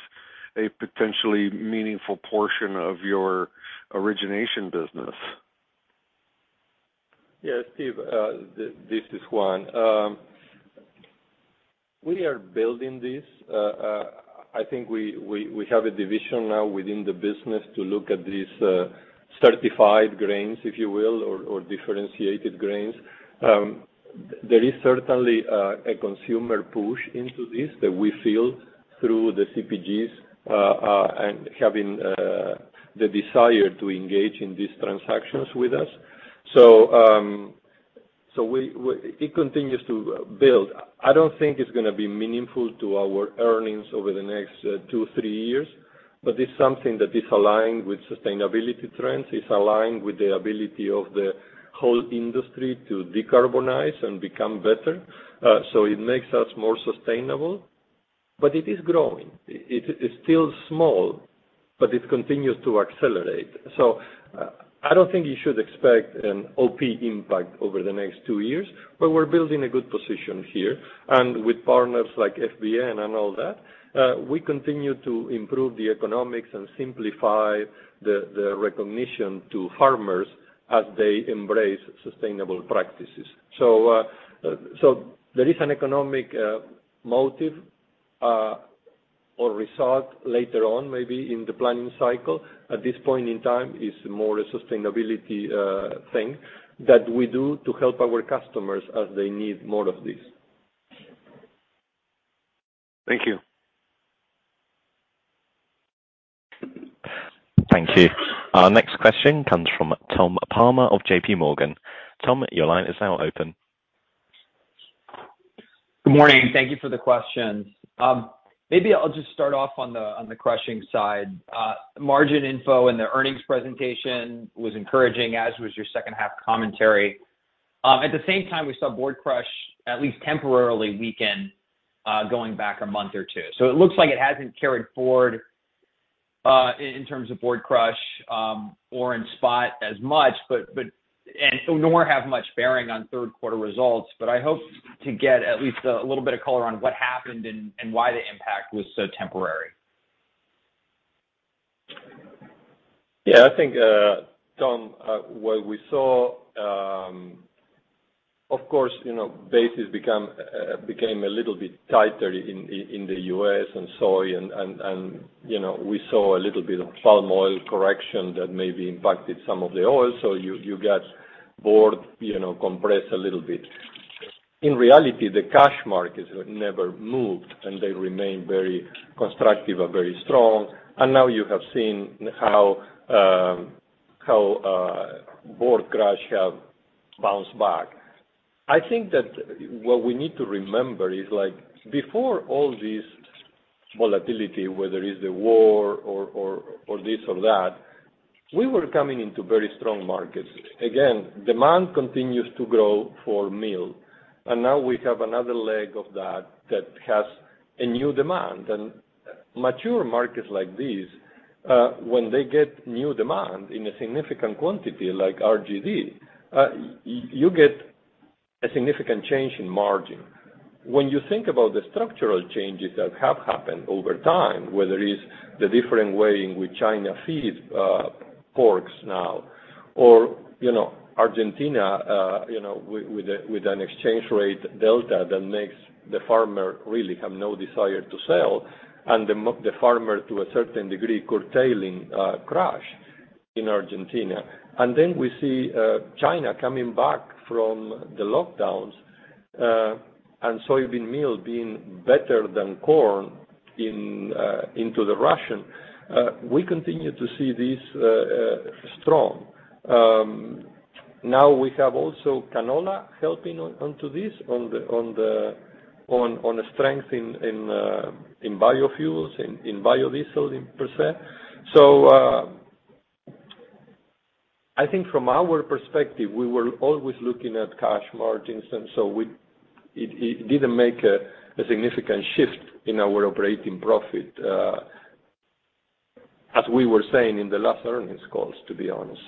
a potentially meaningful portion of your origination business? Yes, Steve, this is Juan. We are building this. I think we have a division now within the business to look at these certified grains, if you will, or differentiated grains. There is certainly a consumer push into this that we feel through the CPGs and having the desire to engage in these transactions with us. It continues to build. I don't think it's gonna be meaningful to our earnings over the next two, three years, but it's something that is aligned with sustainability trends, it's aligned with the ability of the whole industry to decarbonize and become better. It makes us more sustainable. It is growing. It is still small, but it continues to accelerate. I don't think you should expect an OP impact over the next two years, but we're building a good position here. With partners like FBN and all that, we continue to improve the economics and simplify the recognition to farmers as they embrace sustainable practices. There is an economic motive or result later on, maybe in the planning cycle. At this point in time, it's more a sustainability thing that we do to help our customers as they need more of this. Thank you. Thank you. Our next question comes from Tom Palmer of JPMorgan. Tom, your line is now open. Good morning. Thank you for the questions. Maybe I'll just start off on the crushing side. Margin info in the earnings presentation was encouraging, as was your second half commentary. At the same time, we saw board crush at least temporarily weaken going back a month or two. It looks like it hasn't carried forward in terms of board crush or in spot as much, but nor have much bearing on third quarter results. I hope to get at least a little bit of color on what happened and why the impact was so temporary. Yeah, I think, Tom, what we saw, of course, you know, basis became a little bit tighter in the U.S. and soy and you know, we saw a little bit of palm oil correction that maybe impacted some of the oil. You got spread, you know, compressed a little bit. In reality, the cash markets never moved, and they remain very constructive and very strong. Now you have seen how spread crush have bounced back. I think that what we need to remember is, like, before all this volatility, whether it's the war or this or that, we were coming into very strong markets. Again, demand continues to grow for meal, and now we have another leg of that that has a new demand. Mature markets like these, when they get new demand in a significant quantity like RGD, you get a significant change in margin. When you think about the structural changes that have happened over time, whether it's the different way in which China feeds pork now, or you know, Argentina, you know, with an exchange rate delta that makes the farmer really have no desire to sell, and the farmer, to a certain degree, curtailing crush in Argentina. We see China coming back from the lockdowns, and soybean meal being better than corn into the ration. We continue to see this strong. Now we have also canola helping onto this on the strength in biofuels, in biodiesel percent. I think from our perspective, we were always looking at cash margins, and so it didn't make a significant shift in our operating profit, as we were saying in the last earnings calls, to be honest.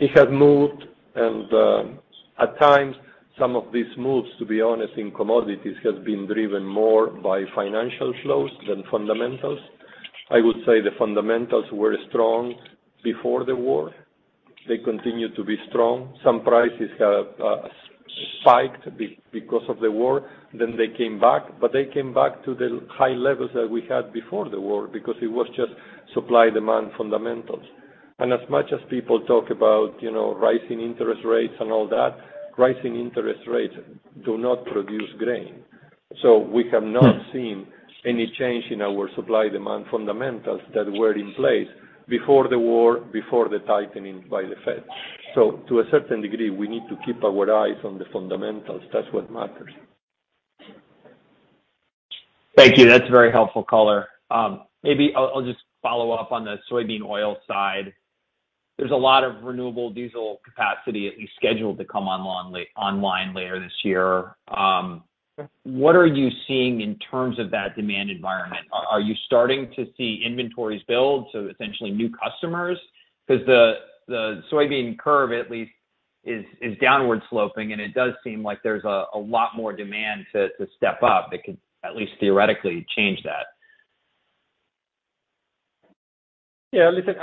It has moved, and at times, some of these moves, to be honest, in commodities, have been driven more by financial flows than fundamentals. I would say the fundamentals were strong before the war. They continue to be strong. Some prices have spiked because of the war, then they came back, but they came back to the high levels that we had before the war because it was just supply and demand fundamentals. As much as people talk about, you know, rising interest rates and all that, rising interest rates do not produce grain. We have not seen any change in our supply and demand fundamentals that were in place before the war, before the tightening by the Fed. To a certain degree, we need to keep our eyes on the fundamentals. That's what matters. Thank you. That's very helpful color. Maybe I'll just follow up on the soybean oil side. There's a lot of renewable diesel capacity at least scheduled to come online later this year. What are you seeing in terms of that demand environment? Are you starting to see inventories build, so essentially new customers? 'Cause the soybean curve, at least, is downward sloping, and it does seem like there's a lot more demand to step up that could at least theoretically change that. Yeah, listen,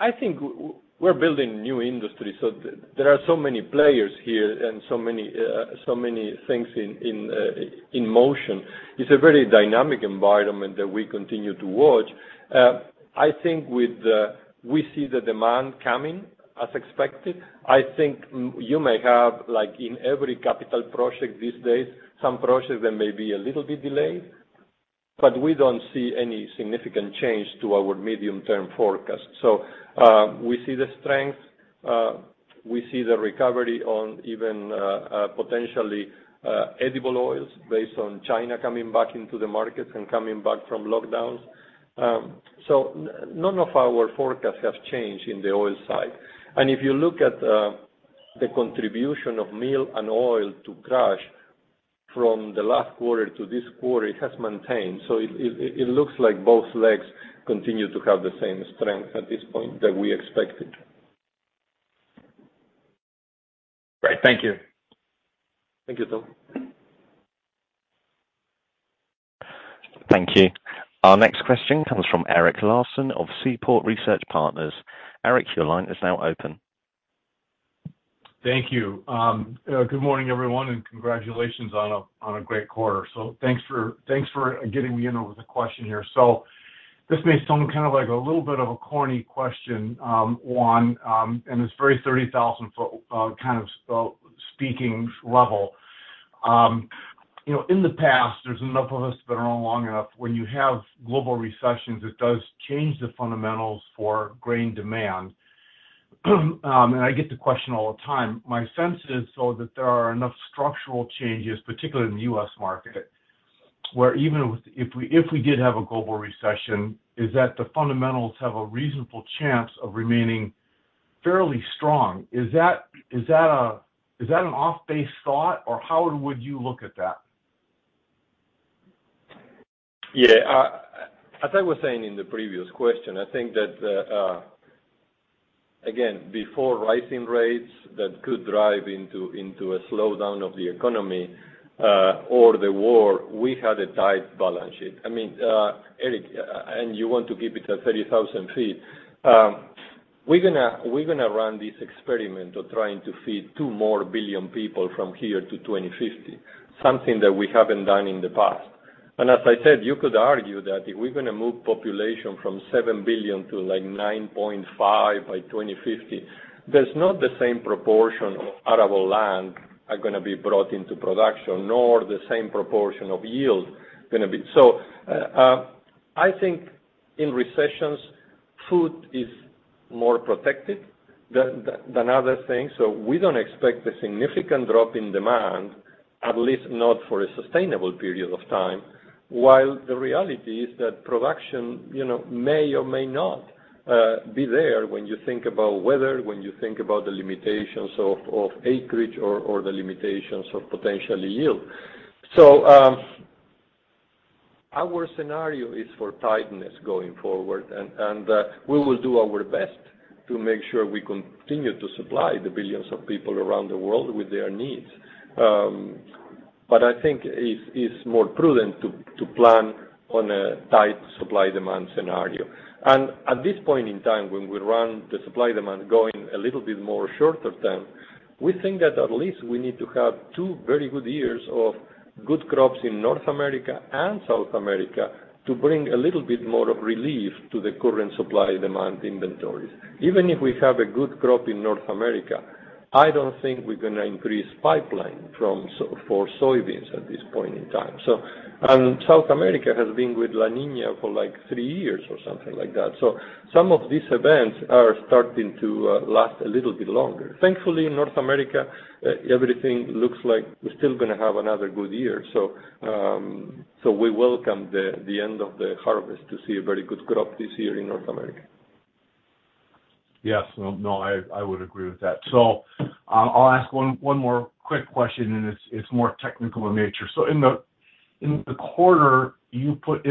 I think we're building new industry, so there are so many players here and so many things in motion. It's a very dynamic environment that we continue to watch. I think we see the demand coming as expected. I think you may have, like in every capital project these days, some projects that may be a little bit delayed, but we don't see any significant change to our medium-term forecast. We see the strength, we see the recovery in even potentially edible oils based on China coming back into the markets and coming back from lockdowns. None of our forecasts have changed in the oil side. If you look at the contribution of meal and oil to crush from the last quarter to this quarter, it has maintained. It looks like both legs continue to have the same strength at this point that we expected. Great. Thank you. Thank you, Alex. Thank you. Our next question comes from Eric Larson of Seaport Research Partners. Eric, your line is now open. Thank you. Good morning, everyone, and congratulations on a great quarter. Thanks for getting me in on the question here. This may sound kind of like a little bit of a corny question, Juan, and it's very 30,000 ft kind of speaking level. You know, in the past, there's enough of us that are on long enough, when you have global recessions, it does change the fundamentals for grain demand. I get the question all the time. My sense is, though, that there are enough structural changes, particularly in the U.S. market, where even if we did have a global recession, the fundamentals have a reasonable chance of remaining fairly strong. Is that an off-base thought, or how would you look at that? Yeah. As I was saying in the previous question, I think that, again, before rising rates that could drive into a slowdown of the economy, or the war, we had a tight balance sheet. I mean, Eric, and you want to keep it at 30,000 ft. We're gonna run this experiment of trying to feed two more billion people from here to 2050, something that we haven't done in the past. As I said, you could argue that if we're gonna move population from 7 billion to, like, 9.5 billion by 2050, there's not the same proportion of arable land are gonna be brought into production, nor the same proportion of yield gonna be. I think in recessions, food is more protected than other things. We don't expect a significant drop in demand, at least not for a sustainable period of time, while the reality is that production, you know, may or may not be there when you think about weather, when you think about the limitations of acreage or the limitations of potential yield. Our scenario is for tightness going forward, and we will do our best to make sure we continue to supply the billions of people around the world with their needs. I think it's more prudent to plan on a tight supply-demand scenario. At this point in time, when we run the supply and demand going a little bit more short term, we think that at least we need to have two very good years of good crops in North America and South America to bring a little bit more of relief to the current supply and demand inventories. Even if we have a good crop in North America, I don't think we're gonna increase pipeline for soybeans at this point in time. South America has been with La Niña for, like, three years or something like that. Some of these events are starting to last a little bit longer. Thankfully, in North America, everything looks like we're still gonna have another good year. We welcome the end of the harvest to see a very good crop this year in North America. Yes. Well, no, I would agree with that. I'll ask one more quick question, and it's more technical in nature. In the quarter, you put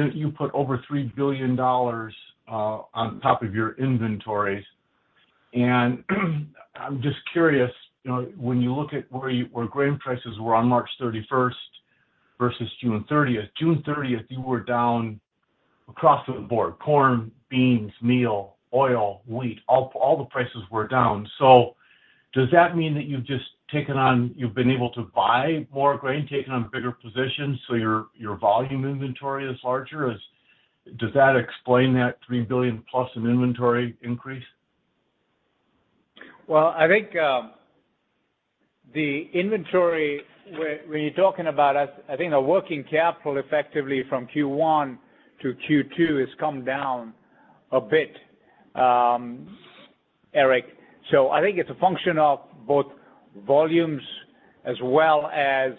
over $3 billion on top of your inventories. I'm just curious, you know, when you look at where grain prices were on March 31st versus June 30th. June 30th, you were down across the board, corn, beans, meal, oil, wheat, all the prices were down. Does that mean that you've just taken on, you've been able to buy more grain, taken on bigger positions, so your volume inventory is larger? Does that explain that $3 billion+ in inventory increase? Well, I think the inventory when you're talking about us, I think our working capital effectively from Q1 to Q2 has come down a bit, Eric. I think it's a function of both volumes as well as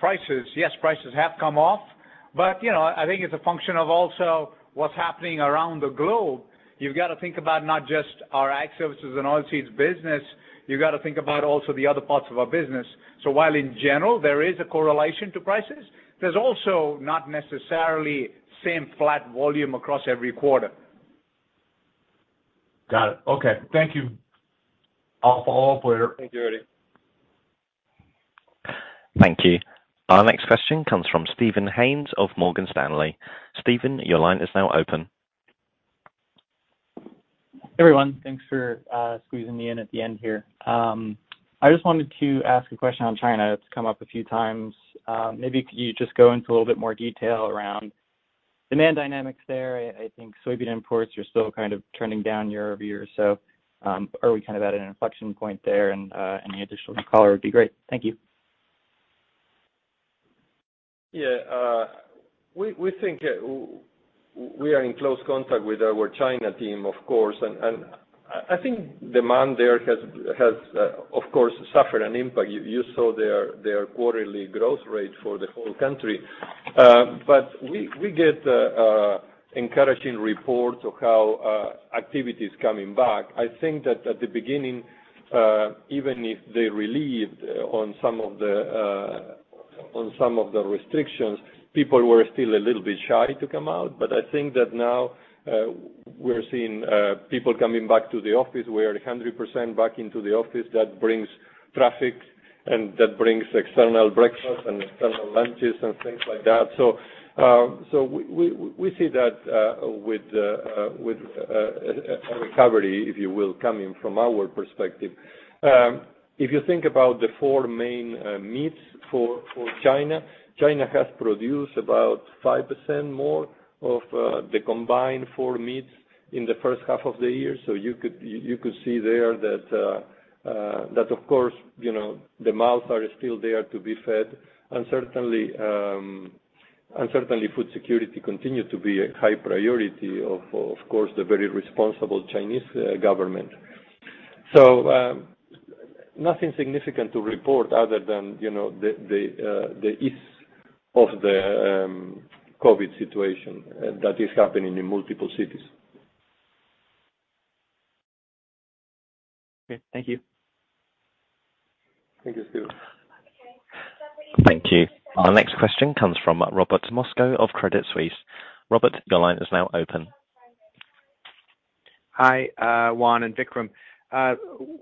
prices. Yes, prices have come off, but you know, I think it's a function of also what's happening around the globe. You've got to think about not just our Ag Services and Oilseeds business, you've got to think about also the other parts of our business. While in general, there is a correlation to prices, there's also not necessarily same flat volume across every quarter. Got it. Okay. Thank you. I'll follow up later. Thank you, Eric. Thank you. Our next question comes from Steven Haynes of Morgan Stanley. Steven, your line is now open. Everyone, thanks for squeezing me in at the end here. I just wanted to ask a question on China. It's come up a few times. Maybe could you just go into a little bit more detail around demand dynamics there? I think soybean imports are still kind of turning down year-over-year. Are we kind of at an inflection point there? Any additional color would be great. Thank you. Yeah. We think we are in close contact with our China team, of course. I think demand there has, of course, suffered an impact. You saw their quarterly growth rate for the whole country. We get encouraging reports of how activity is coming back. I think that at the beginning, even if they relieved on some of the restrictions, people were still a little bit shy to come out. I think that now, we're seeing people coming back to the office. We are 100% back into the office. That brings traffic and that brings external breakfast and external lunches and things like that. We see that with a recovery, if you will, coming from our perspective. If you think about the four main meats for China has produced about 5% more of the combined four meats in the first half of the year. You could see there that, of course, you know, the mouths are still there to be fed. Certainly, food security continue to be a high priority of course, the very responsible Chinese government. Nothing significant to report other than, you know, the ease of the COVID situation that is happening in multiple cities. Okay. Thank you. Thank you, Steven. Thank you. Our next question comes from Robert Moskow of Credit Suisse. Robert, your line is now open. Hi, Juan and Vikram.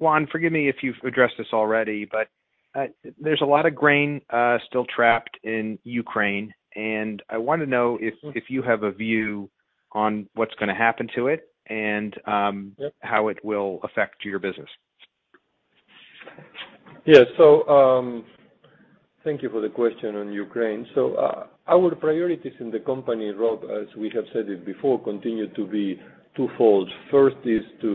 Juan, forgive me if you've addressed this already, but there's a lot of grain still trapped in Ukraine, and I wanna know if you have a view on what's gonna happen to it and Yep. How it will affect your business. Yeah. Thank you for the question on Ukraine. Our priorities in the company, Rob, as we have said it before, continue to be twofold. First is to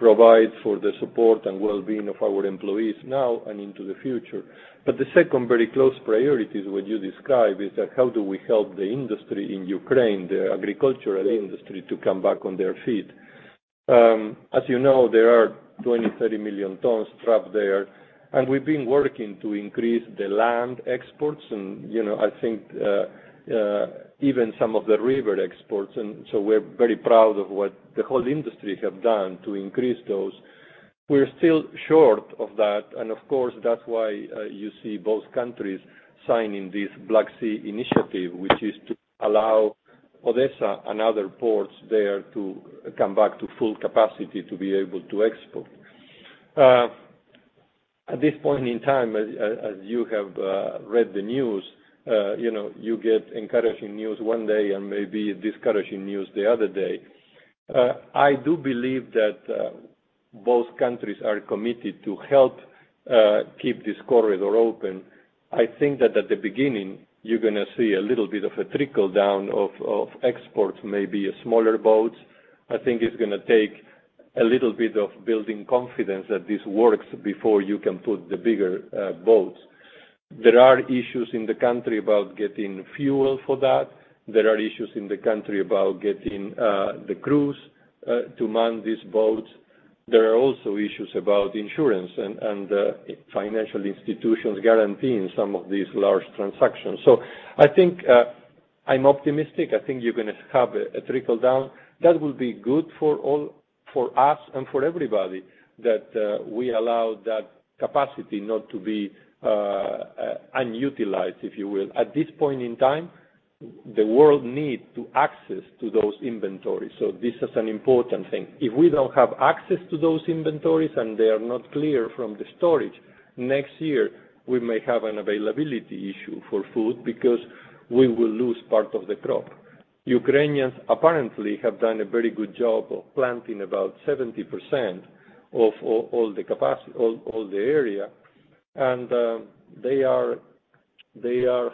provide for the support and well-being of our employees now and into the future. The second very close priority is what you describe, is that how do we help the industry in Ukraine, the agricultural industry, to come back on their feet. As you know, there are 20 million-30 million tons trapped there, and we've been working to increase the land exports and, you know, I think, even some of the river exports. We're very proud of what the whole industry have done to increase those. We're still short of that, and of course, that's why you see both countries signing this Black Sea Initiative, which is to allow Odessa and other ports there to come back to full capacity to be able to export. At this point in time, as you have read the news, you know, you get encouraging news one day and maybe discouraging news the other day. I do believe that both countries are committed to help keep this corridor open. I think that at the beginning, you're gonna see a little bit of a trickle-down of exports, maybe smaller boats. I think it's gonna take a little bit of building confidence that this works before you can put the bigger boats. There are issues in the country about getting fuel for that. There are issues in the country about getting the crews to man these boats. There are also issues about insurance and financial institutions guaranteeing some of these large transactions. I think I'm optimistic. I think you're gonna have a trickle-down. That will be good for all, for us and for everybody that we allow that capacity not to be unutilized, if you will. At this point in time, the world need to access to those inventories. This is an important thing. If we don't have access to those inventories and they are not clear from the storage, next year, we may have an availability issue for food because we will lose part of the crop. Ukrainians apparently have done a very good job of planting about 70% of all the area. They are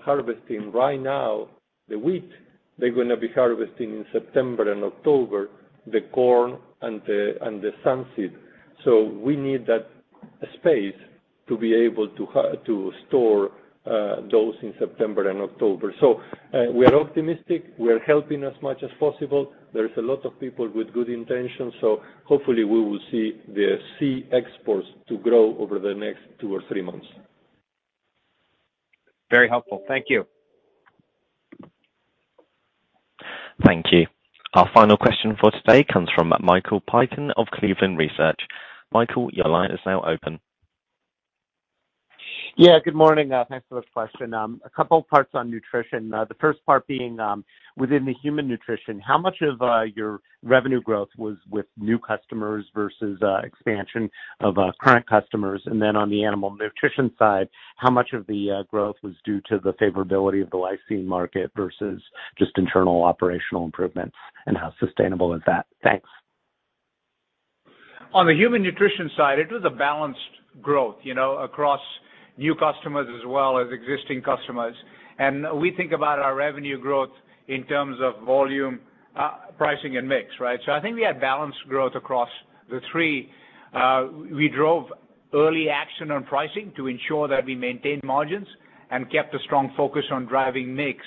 harvesting right now the wheat. They're gonna be harvesting in September and October, the corn and the sunflower. We need that space to be able to store those in September and October. We are optimistic. We are helping as much as possible. There is a lot of people with good intentions, so hopefully we will see the sea exports to grow over the next two or three months. Very helpful. Thank you. Thank you. Our final question for today comes from Michael Piken of Cleveland Research. Michael, your line is now open. Yeah, good morning. Thanks for the question. A couple parts on nutrition. The first part being, within the human nutrition, how much of your revenue growth was with new customers versus expansion of current customers? And then on the animal nutrition side, how much of the growth was due to the favorability of the lysine market versus just internal operational improvements? And how sustainable is that? Thanks. On the human nutrition side, it was a balanced growth, you know, across new customers as well as existing customers. We think about our revenue growth in terms of volume, pricing and mix, right? I think we had balanced growth across the three. We drove early action on pricing to ensure that we maintained margins and kept a strong focus on driving mix.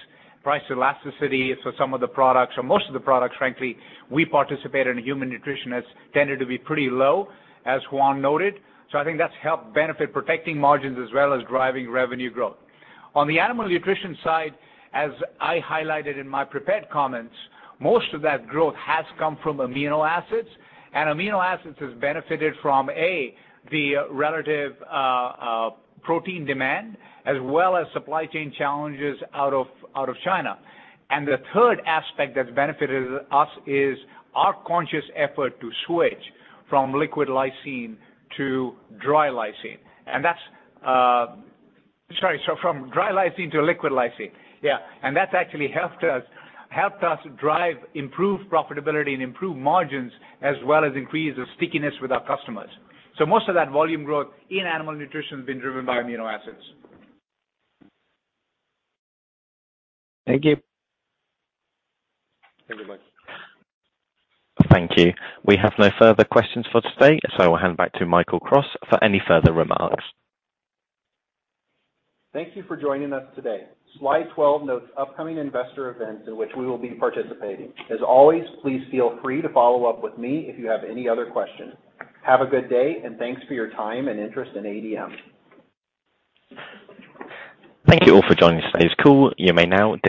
Price elasticity for some of the products or most of the products, frankly, we participate in human nutrition has tended to be pretty low, as Juan noted. I think that's helped benefit protecting margins as well as driving revenue growth. On the animal nutrition side, as I highlighted in my prepared comments, most of that growth has come from amino acids. Amino acids has benefited from the relative protein demand as well as supply chain challenges out of China. The third aspect that's benefited us is our conscious effort to switch from dry lysine to liquid lysine. Yeah. That's actually helped us drive improved profitability and improved margins, as well as increase the stickiness with our customers. Most of that volume growth in animal nutrition has been driven by amino acids. Thank you. Thank you, Mike. Thank you. We have no further questions for today, so I'll hand back to Michael Cross for any further remarks. Thank you for joining us today. Slide 12 notes upcoming investor events in which we will be participating. As always, please feel free to follow up with me if you have any other questions. Have a good day, and thanks for your time and interest in ADM. Thank you all for joining today's call. You may now disconnect.